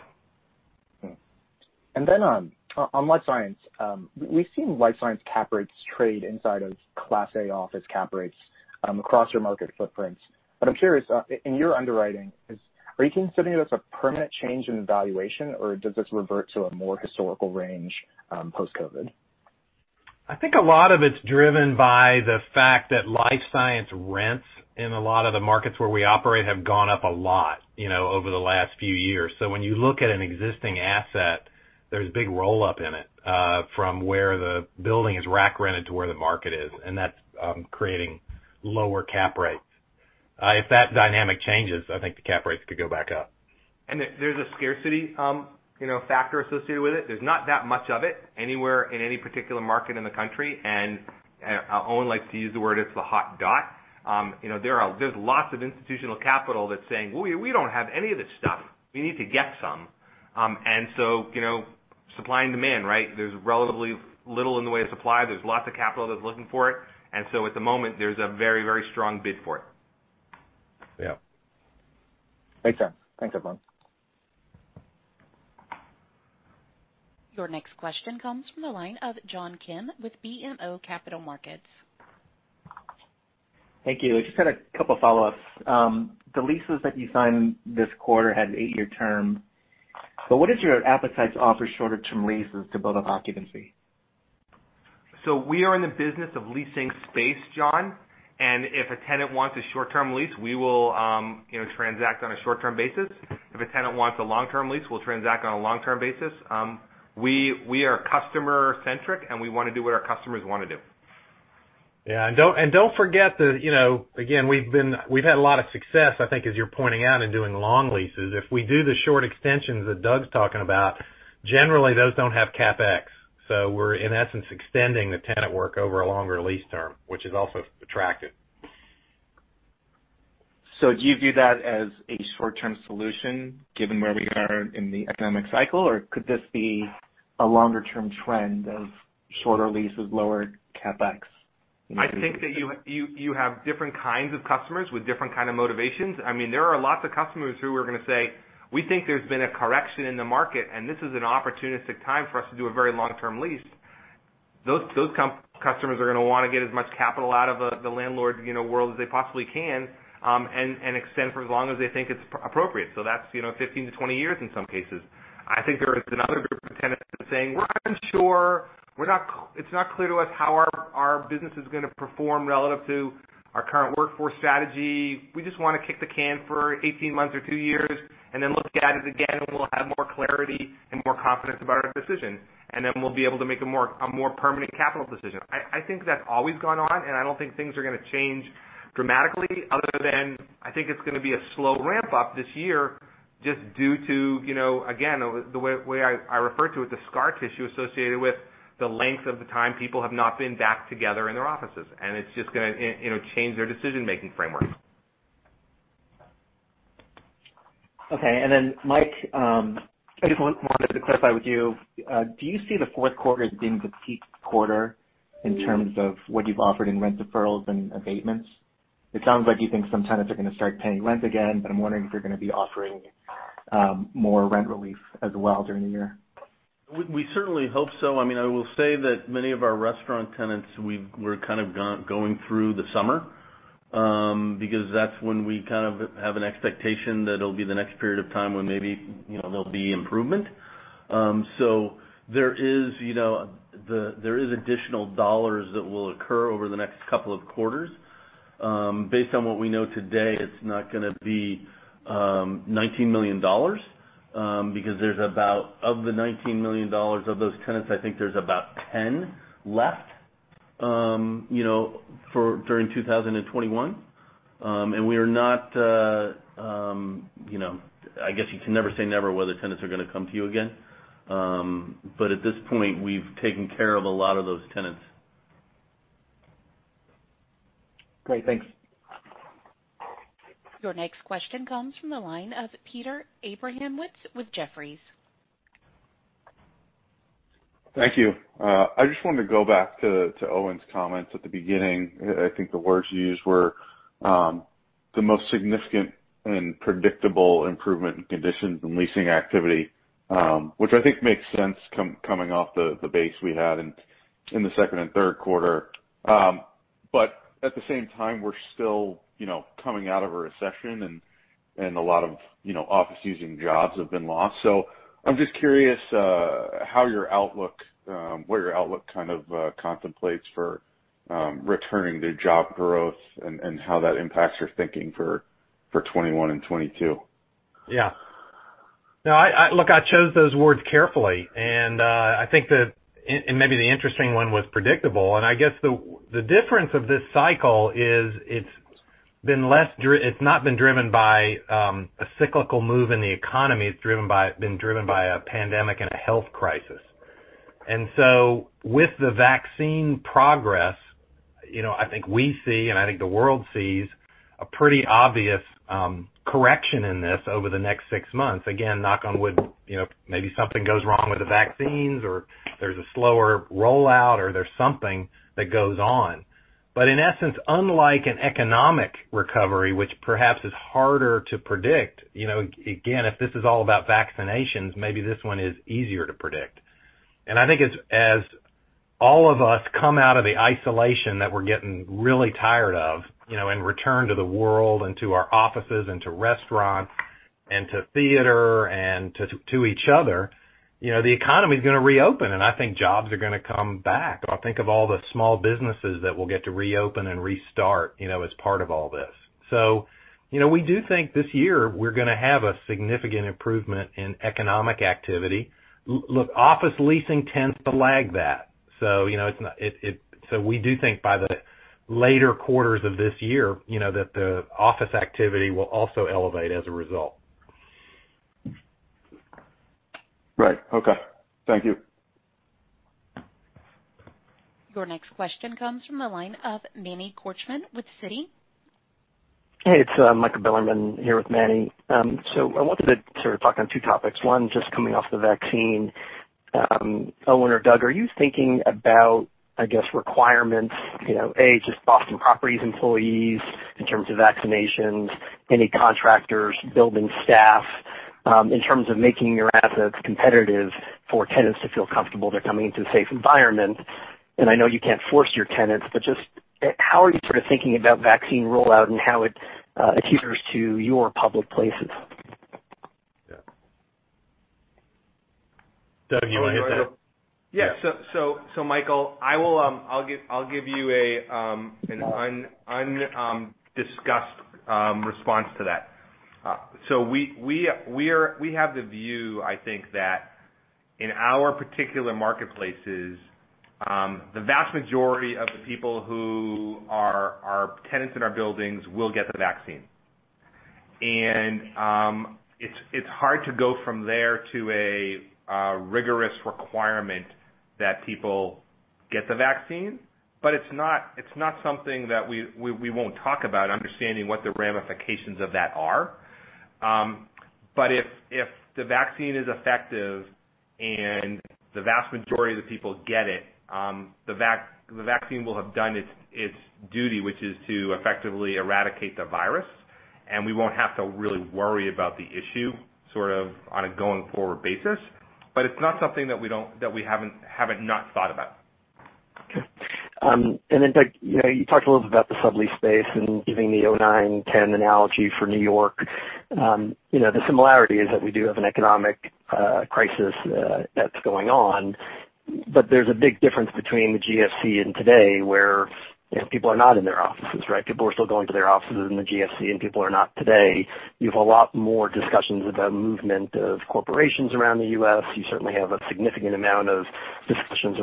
Speaker 18: On life science, we've seen life science cap rates trade inside of Class A office cap rates across your market footprint. I'm curious, in your underwriting, are you considering it as a permanent change in valuation, or does this revert to a more historical range post-COVID?
Speaker 3: I think a lot of it's driven by the fact that life science rents in a lot of the markets where we operate have gone up a lot over the last few years. When you look at an existing asset, there's a big roll-up in it, from where the building is rack rented to where the market is. That's creating lower cap rates. If that dynamic changes, I think the cap rates could go back up.
Speaker 4: There's a scarcity factor associated with it. There's not that much of it anywhere in any particular market in the country, and Owen likes to use the word, it's the hot dot. There's lots of institutional capital that's saying, "We don't have any of this stuff. We need to get some." Supply and demand, right? There's relatively little in the way of supply. There's lots of capital that's looking for it. At the moment, there's a very strong bid for it.
Speaker 18: Yeah. Thanks, everyone.
Speaker 1: Your next question comes from the line of John Kim with BMO Capital Markets.
Speaker 19: Thank you. I just had a couple of follow-ups. The leases that you signed this quarter had an eight-year term. What is your appetite to offer shorter term leases to build up occupancy?
Speaker 4: We are in the business of leasing space, John, and if a tenant wants a short-term lease, we will transact on a short-term basis. If a tenant wants a long-term lease, we'll transact on a long-term basis. We are customer-centric, and we want to do what our customers want to do.
Speaker 3: Yeah, don't forget that, again, we've had a lot of success, I think as you're pointing out, in doing long leases. If we do the short extensions that Doug's talking about, generally those don't have CapEx. We're in essence extending the tenant work over a longer lease term, which is also attractive.
Speaker 19: Do you view that as a short-term solution given where we are in the economic cycle, or could this be a longer-term trend of shorter leases, lower CapEx?
Speaker 4: I think that you have different kinds of customers with different kind of motivations. There are lots of customers who are going to say, "We think there's been a correction in the market, and this is an opportunistic time for us to do a very long-term lease." Those customers are going to want to get as much capital out of the landlord world as they possibly can, and extend for as long as they think it's appropriate. That's 15-20 years in some cases. I think there is another group of tenants that saying, "We're unsure. It's not clear to us how our business is going to perform relative to our current workforce strategy. We just want to kick the can for 18 months or two years and then look at it again, and we'll have more clarity and more confidence about our decision. Then we'll be able to make a more permanent capital decision." I think that's always gone on, and I don't think things are going to change dramatically, other than I think it's going to be a slow ramp-up this year just due to, again, the way I refer to it, the scar tissue associated with the length of the time people have not been back together in their offices. It's just going to change their decision-making framework.
Speaker 19: Okay. Mike, I just wanted to clarify with you. Do you see the fourth quarter as being the peak quarter in terms of what you've offered in rent deferrals and abatements? It sounds like you think some tenants are going to start paying rent again, but I'm wondering if you're going to be offering more rent relief as well during the year.
Speaker 5: We certainly hope so. I will say that many of our restaurant tenants, we're kind of going through the summer, because that's when we kind of have an expectation that it'll be the next period of time when maybe there'll be improvement. There is additional dollars that will occur over the next couple of quarters. Based on what we know today, it's not going to be $19 million. Because of the $19 million of those tenants, I think there's about 10 left during 2021. I guess you can never say never whether tenants are going to come to you again. At this point, we've taken care of a lot of those tenants.
Speaker 19: Great, thanks.
Speaker 1: Your next question comes from the line of Peter Abramowitz with Jefferies.
Speaker 20: Thank you. I just wanted to go back to Owen's comments at the beginning. I think the words you used were, "The most significant and predictable improvement in conditions and leasing activity," which I think makes sense coming off the base we had in the second and third quarter. At the same time, we're still coming out of a recession and a lot of office-using jobs have been lost. I'm just curious what your outlook kind of contemplates for returning to job growth and how that impacts your thinking for 2021 and 2022.
Speaker 3: Yeah. Look, I chose those words carefully, maybe the interesting one was predictable. I guess the difference of this cycle is it's not been driven by a cyclical move in the economy, it's been driven by a pandemic and a health crisis. With the vaccine progress, I think we see, and I think the world sees, a pretty obvious correction in this over the next six months. Again, knock on wood, maybe something goes wrong with the vaccines or there's a slower rollout or there's something that goes on. In essence, unlike an economic recovery, which perhaps is harder to predict. Again, if this is all about vaccinations, maybe this one is easier to predict. I think as all of us come out of the isolation that we're getting really tired of, and return to the world and to our offices, and to restaurants and to theater, and to each other, the economy's going to reopen, and I think jobs are going to come back. I think of all the small businesses that will get to reopen and restart as part of all this. We do think this year we're going to have a significant improvement in economic activity. Look, office leasing tends to lag that. We do think by the later quarters of this year, that the office activity will also elevate as a result.
Speaker 20: Right. Okay. Thank you.
Speaker 1: Your next question comes from the line of Manny Korchman with Citi.
Speaker 21: Hey, it's Michael Bilerman here with Manny. I wanted to sort of talk on two topics. One, just coming off the vaccine. Owen or Doug, are you thinking about, I guess, requirements, A, just Boston Properties employees in terms of vaccinations, any contractors, building staff, in terms of making your assets competitive for tenants to feel comfortable they're coming into a safe environment? I know you can't force your tenants, but just how are you sort of thinking about vaccine rollout and how it adheres to your public places?
Speaker 3: Doug, you want to hit that?
Speaker 4: Michael, I'll give you an undiscussed response to that. We have the view, I think, that in our particular marketplaces, the vast majority of the people who are tenants in our buildings will get the vaccine. It's hard to go from there to a rigorous requirement that people get the vaccine, but it's not something that we won't talk about, understanding what the ramifications of that are. If the vaccine is effective and the vast majority of the people get it, the vaccine will have done its duty, which is to effectively eradicate the virus, and we won't have to really worry about the issue sort of on a going-forward basis. It's not something that we haven't not thought about.
Speaker 21: Okay. Doug, you talked a little bit about the sublease space and giving the 2009, 2010 analogy for New York. The similarity is that we do have an economic crisis that's going on, but there's a big difference between the GFC and today, where people are not in their offices, right? People were still going to their offices in the GFC and people are not today. You have a lot more discussions about movement of corporations around the U.S. You certainly have a significant amount of discussions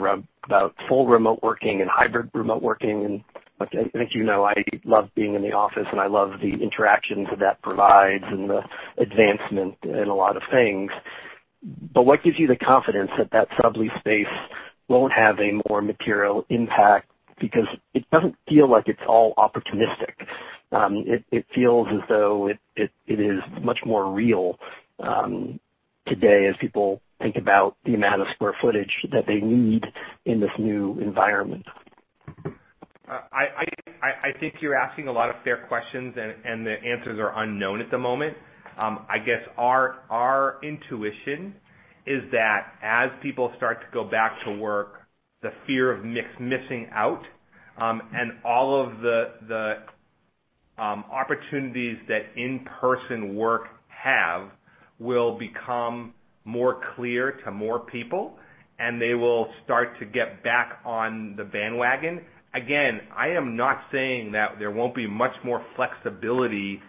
Speaker 21: about full remote working and hybrid remote working. Look, I think you know I love being in the office and I love the interactions that that provides and the advancement in a lot of things. What gives you the confidence that that sublease space won't have a more material impact? Because it doesn't feel like it's all opportunistic. It feels as though it is much more real today as people think about the amount of square footage that they need in this new environment.
Speaker 4: I think you're asking a lot of fair questions. The answers are unknown at the moment. I guess our intuition is that as people start to go back to work, the fear of missing out, and all of the opportunities that in-person work have, will become more clear to more people, and they will start to get back on the bandwagon. Again, I am not saying that there won't be much more flexibility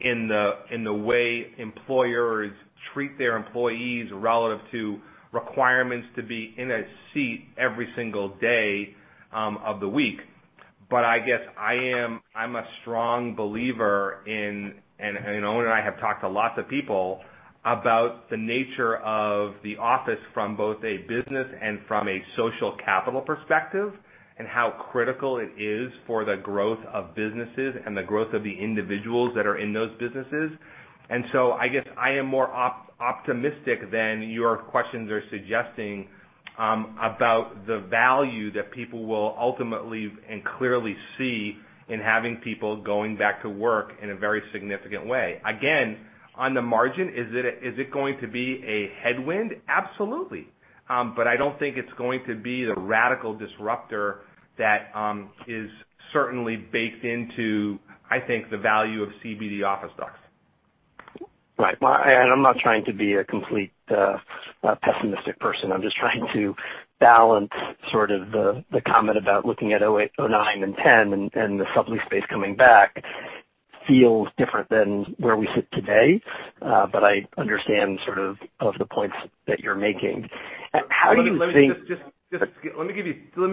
Speaker 4: in the way employers treat their employees relative to requirements to be in a seat every single day of the week. I guess I'm a strong believer in, and Owen and I have talked to lots of people about the nature of the office from both a business and from a social capital perspective, and how critical it is for the growth of businesses and the growth of the individuals that are in those businesses. I guess I am more optimistic than your questions are suggesting, about the value that people will ultimately and clearly see in having people going back to work in a very significant way. Again, on the margin, is it going to be a headwind? Absolutely. I don't think it's going to be the radical disruptor that is certainly baked into, I think, the value of CBD office stocks.
Speaker 21: Right. I'm not trying to be a complete pessimistic person. I'm just trying to balance sort of the comment about looking at 2008, 2009 and 2010, and the sublease space coming back feels different than where we sit today. I understand sort of the points that you're making.
Speaker 4: Let me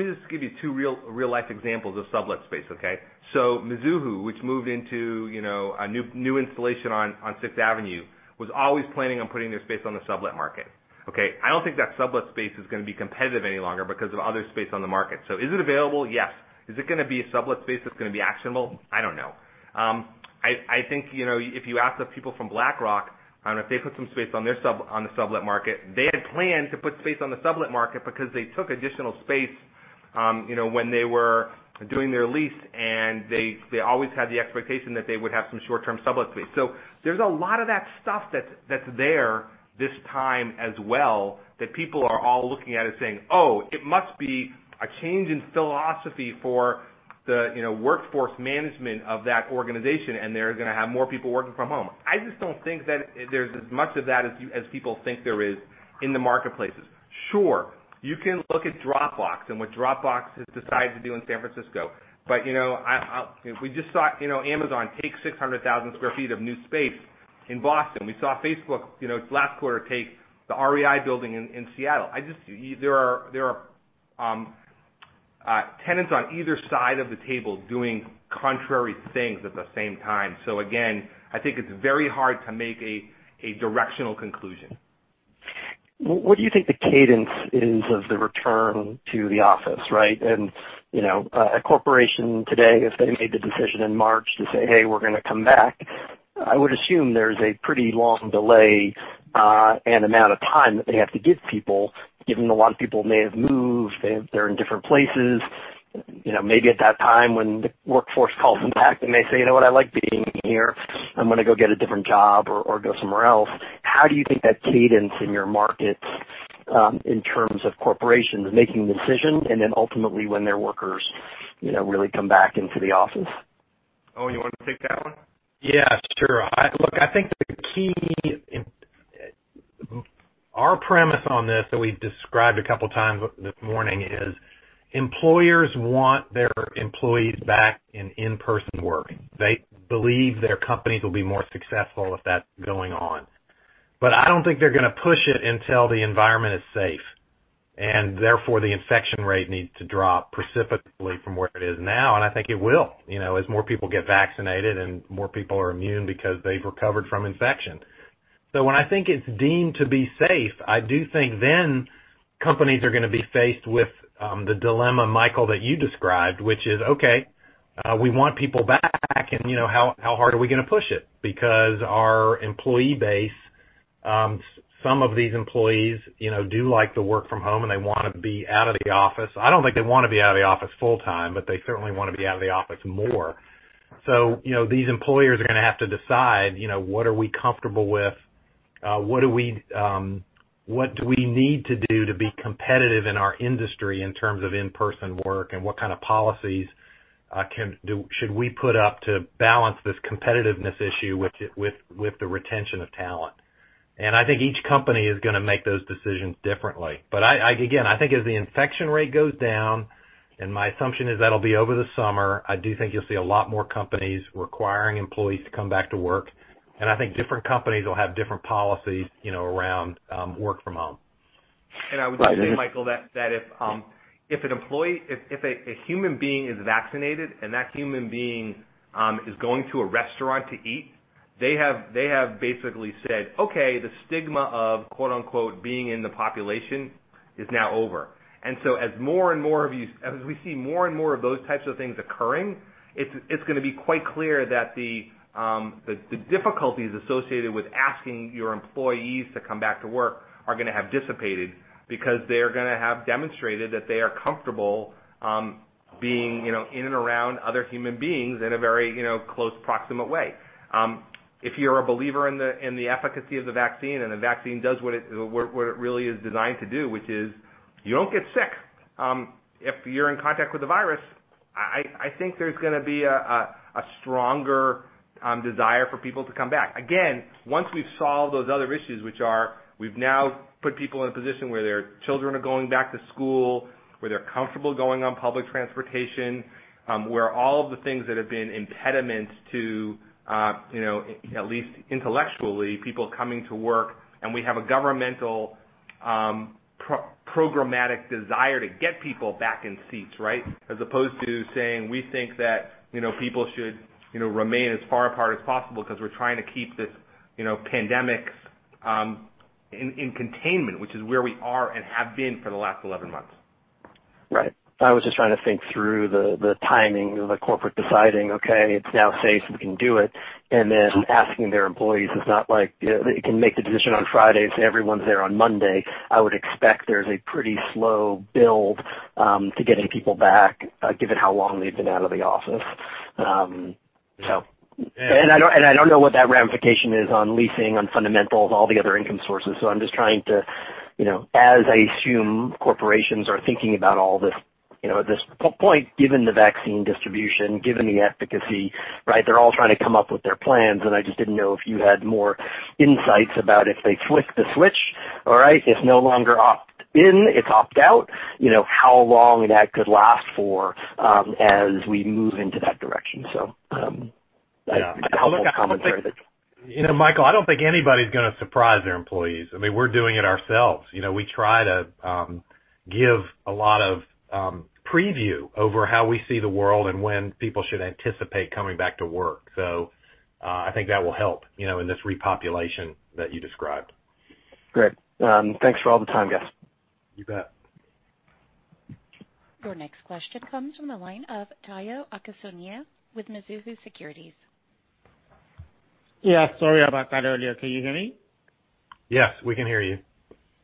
Speaker 4: just give you two real-life examples of sublet space, okay? Mizuho, which moved into a new installation on Sixth Avenue, was always planning on putting their space on the sublet market, okay? I don't think that sublet space is going to be competitive any longer because of other space on the market. Is it available? Yes. Is it going to be a sublet space that's going to be actionable? I don't know. I think, if you ask the people from BlackRock, if they put some space on the sublet market, they had planned to put space on the sublet market because they took additional space when they were doing their lease, and they always had the expectation that they would have some short-term sublet space. There's a lot of that stuff that's there this time as well that people are all looking at it saying, "Oh, it must be a change in philosophy for the workforce management of that organization, and they're going to have more people working from home." I just don't think that there's as much of that as people think there is in the marketplaces. Sure, you can look at Dropbox and what Dropbox has decided to do in San Francisco. We just saw Amazon take 600,000 sq ft of new space in Boston. We saw Facebook, last quarter, take the REI building in Seattle. There are tenants on either side of the table doing contrary things at the same time. Again, I think it's very hard to make a directional conclusion.
Speaker 21: What do you think the cadence is of the return to the office, right? A corporation today, if they made the decision in March to say, "Hey, we're going to come back," I would assume there's a pretty long delay, and amount of time that they have to give people, given a lot of people may have moved, they're in different places. Maybe at that time when the workforce calls them back and they say, "You know what? I like being here. I'm going to go get a different job or go somewhere else." How do you think that cadence in your markets, in terms of corporations making the decision, and then ultimately when their workers really come back into the office?
Speaker 4: Owen, you want to take that one?
Speaker 3: Yes, sure. Look, I think the key. Our premise on this that we've described a couple of times this morning is employers want their employees back in in-person work. They believe their companies will be more successful if that's going on. I don't think they're going to push it until the environment is safe, and therefore, the infection rate needs to drop precipitously from where it is now, and I think it will, as more people get vaccinated and more people are immune because they've recovered from infection. When I think it's deemed to be safe, I do think then companies are going to be faced with the dilemma, Michael, that you described, which is, okay, we want people back and how hard are we going to push it? Because our employee base, some of these employees do like to work from home, and they want to be out of the office. I don't think they want to be out of the office full time, but they certainly want to be out of the office more. These employers are going to have to decide, what are we comfortable with? What do we need to do to be competitive in our industry in terms of in-person work, and what kind of policies should we put up to balance this competitiveness issue with the retention of talent? I think each company is going to make those decisions differently. Again, I think as the infection rate goes down, and my assumption is that'll be over the summer, I do think you'll see a lot more companies requiring employees to come back to work. I think different companies will have different policies around work from home.
Speaker 4: I would just say, Michael, that if an employee, if a human being is vaccinated and that human being is going to a restaurant to eat, they have basically said, "Okay, the stigma of quote unquote, being in the population, is now over." As we see more and more of those types of things occurring, it's going to be quite clear that the difficulties associated with asking your employees to come back to work are going to have dissipated because they're going to have demonstrated that they are comfortable being in and around other human beings in a very close, proximate way. If you're a believer in the efficacy of the vaccine, and the vaccine does what it really is designed to do, which is you don't get sick. If you're in contact with the virus, I think there's going to be a stronger desire for people to come back. Again, once we've solved those other issues, which are, we've now put people in a position where their children are going back to school, where they're comfortable going on public transportation, where all of the things that have been impediments to, at least intellectually, people coming to work, and we have a governmental programmatic desire to get people back in seats, right. As opposed to saying, "We think that people should remain as far apart as possible because we're trying to keep this pandemic in containment," which is where we are and have been for the last 11 months.
Speaker 21: Right. I was just trying to think through the timing of the corporate deciding, okay, it's now safe, we can do it, and then asking their employees. It's not like they can make the decision on Friday, so everyone's there on Monday. I would expect there's a pretty slow build to getting people back, given how long they've been out of the office. I don't know what that ramification is on leasing, on fundamentals, all the other income sources. I'm just trying to, as I assume corporations are thinking about all this, at this point, given the vaccine distribution, given the efficacy, they're all trying to come up with their plans. I just didn't know if you had more insights about if they flick the switch. All right. It's no longer opt in, it's opt out. How long that could last for as we move into that direction. I don't know how much commentary.
Speaker 3: Michael, I don't think anybody's going to surprise their employees. We're doing it ourselves. We try to give a lot of preview over how we see the world and when people should anticipate coming back to work. I think that will help in this repopulation that you described.
Speaker 21: Great. Thanks for all the time, guys.
Speaker 3: You bet.
Speaker 1: Your next question comes from the line of Tayo Okusanya with Mizuho Securities.
Speaker 22: Yeah, sorry about that earlier. Can you hear me?
Speaker 3: Yes, we can hear you.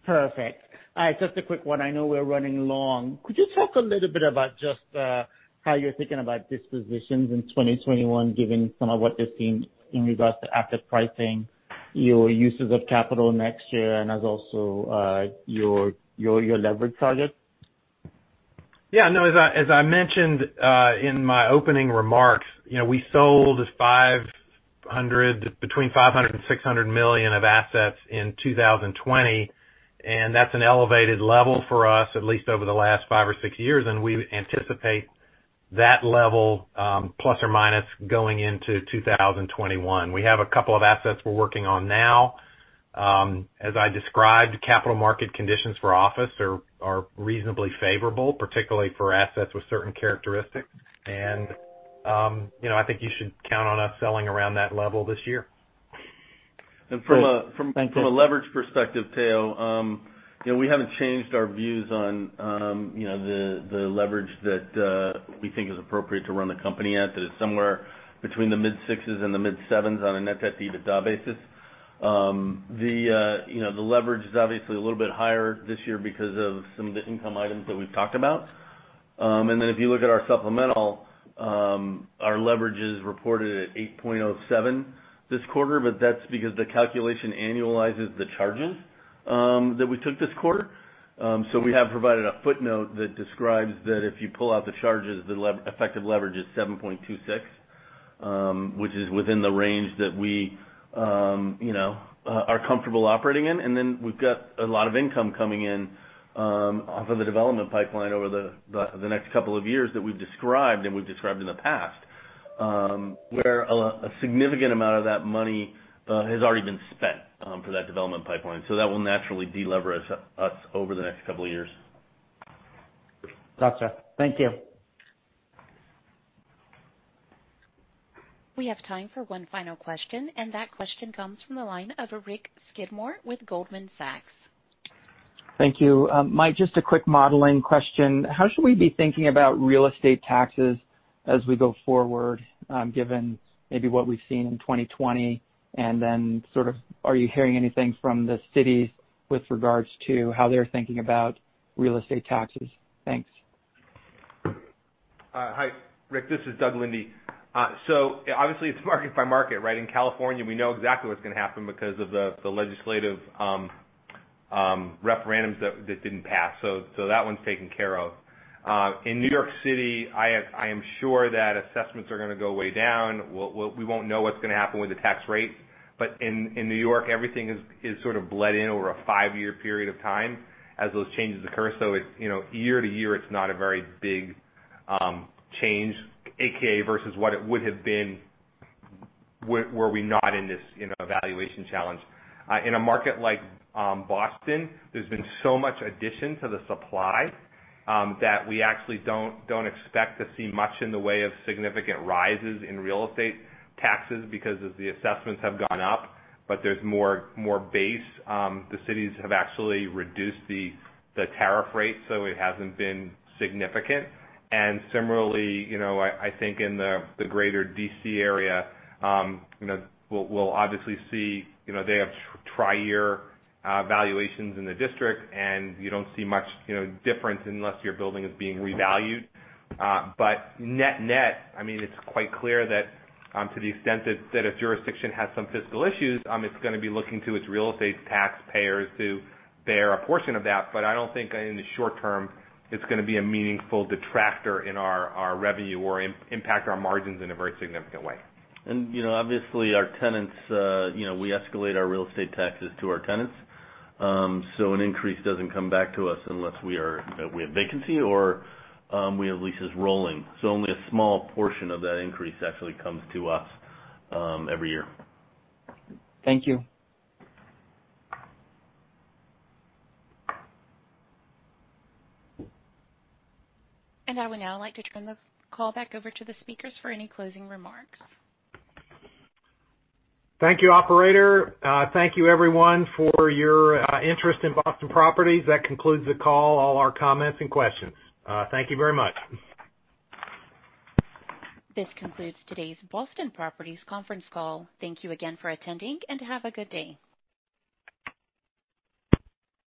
Speaker 22: Perfect. All right, just a quick one. I know we're running long. Could you talk a little bit about just how you're thinking about dispositions in 2021, given some of what they've seen in regards to asset pricing, your uses of capital next year, and as also your leverage target?
Speaker 3: Yeah. As I mentioned in my opening remarks, we sold between $500 million and $600 million of assets in 2020. That's an elevated level for us, at least over the last five or six years. We anticipate that level plus or minus going into 2021. We have a couple of assets we're working on now. As I described, capital market conditions for office are reasonably favorable, particularly for assets with certain characteristics. I think you should count on us selling around that level this year.
Speaker 22: Great. Thank you.
Speaker 5: From a leverage perspective, Tayo, we haven't changed our views on the leverage that we think is appropriate to run the company at. It's somewhere between the mid-6s and the mid-7s on a net debt-to-EBITDA basis. The leverage is obviously a little bit higher this year because of some of the income items that we've talked about. If you look at our supplemental, our leverage is reported at 8.07 this quarter, but that's because the calculation annualizes the charges that we took this quarter. We have provided a footnote that describes that if you pull out the charges, the effective leverage is 7.26, which is within the range that we are comfortable operating in. We've got a lot of income coming in off of the development pipeline over the next couple of years that we've described in the past, where a significant amount of that money has already been spent for that development pipeline. That will naturally de-leverage us over the next couple of years.
Speaker 22: Gotcha. Thank you.
Speaker 1: We have time for one final question. That question comes from the line of Rick Skidmore with Goldman Sachs.
Speaker 23: Thank you. Mike, just a quick modeling question. How should we be thinking about real estate taxes as we go forward, given maybe what we've seen in 2020, and then sort of are you hearing anything from the cities with regards to how they're thinking about real estate taxes? Thanks.
Speaker 4: Hi, Rick. This is Doug Linde. Obviously it's market by market, right? In California, we know exactly what's going to happen because of the legislative referendums that didn't pass. That one's taken care of. In New York City, I am sure that assessments are going to go way down. We won't know what's going to happen with the tax rate. In New York, everything is sort of bled in over a five-year period of time as those changes occur. Year to year, it's not a very big change, AKA versus what it would have been were we not in this valuation challenge. In a market like Boston, there's been so much addition to the supply that we actually don't expect to see much in the way of significant rises in real estate taxes because as the assessments have gone up, but there's more base. The cities have actually reduced the tariff rate, so it hasn't been significant. Similarly, I think in the greater D.C. area, we'll obviously see they have tri-year valuations in the district, and you don't see much difference unless your building is being revalued. Net net, it's quite clear that to the extent that a jurisdiction has some fiscal issues, it's going to be looking to its real estate taxpayers to bear a portion of that. I don't think in the short term, it's going to be a meaningful detractor in our revenue or impact our margins in a very significant way.
Speaker 3: Obviously our tenants, we escalate our real estate taxes to our tenants. An increase doesn't come back to us unless we have vacancy or we have leases rolling. Only a small portion of that increase actually comes to us every year.
Speaker 23: Thank you.
Speaker 1: I would now like to turn the call back over to the speakers for any closing remarks.
Speaker 3: Thank you, operator. Thank you everyone for your interest in Boston Properties. That concludes the call, all our comments and questions. Thank you very much.
Speaker 1: This concludes today's Boston Properties conference call. Thank you again for attending and have a good day.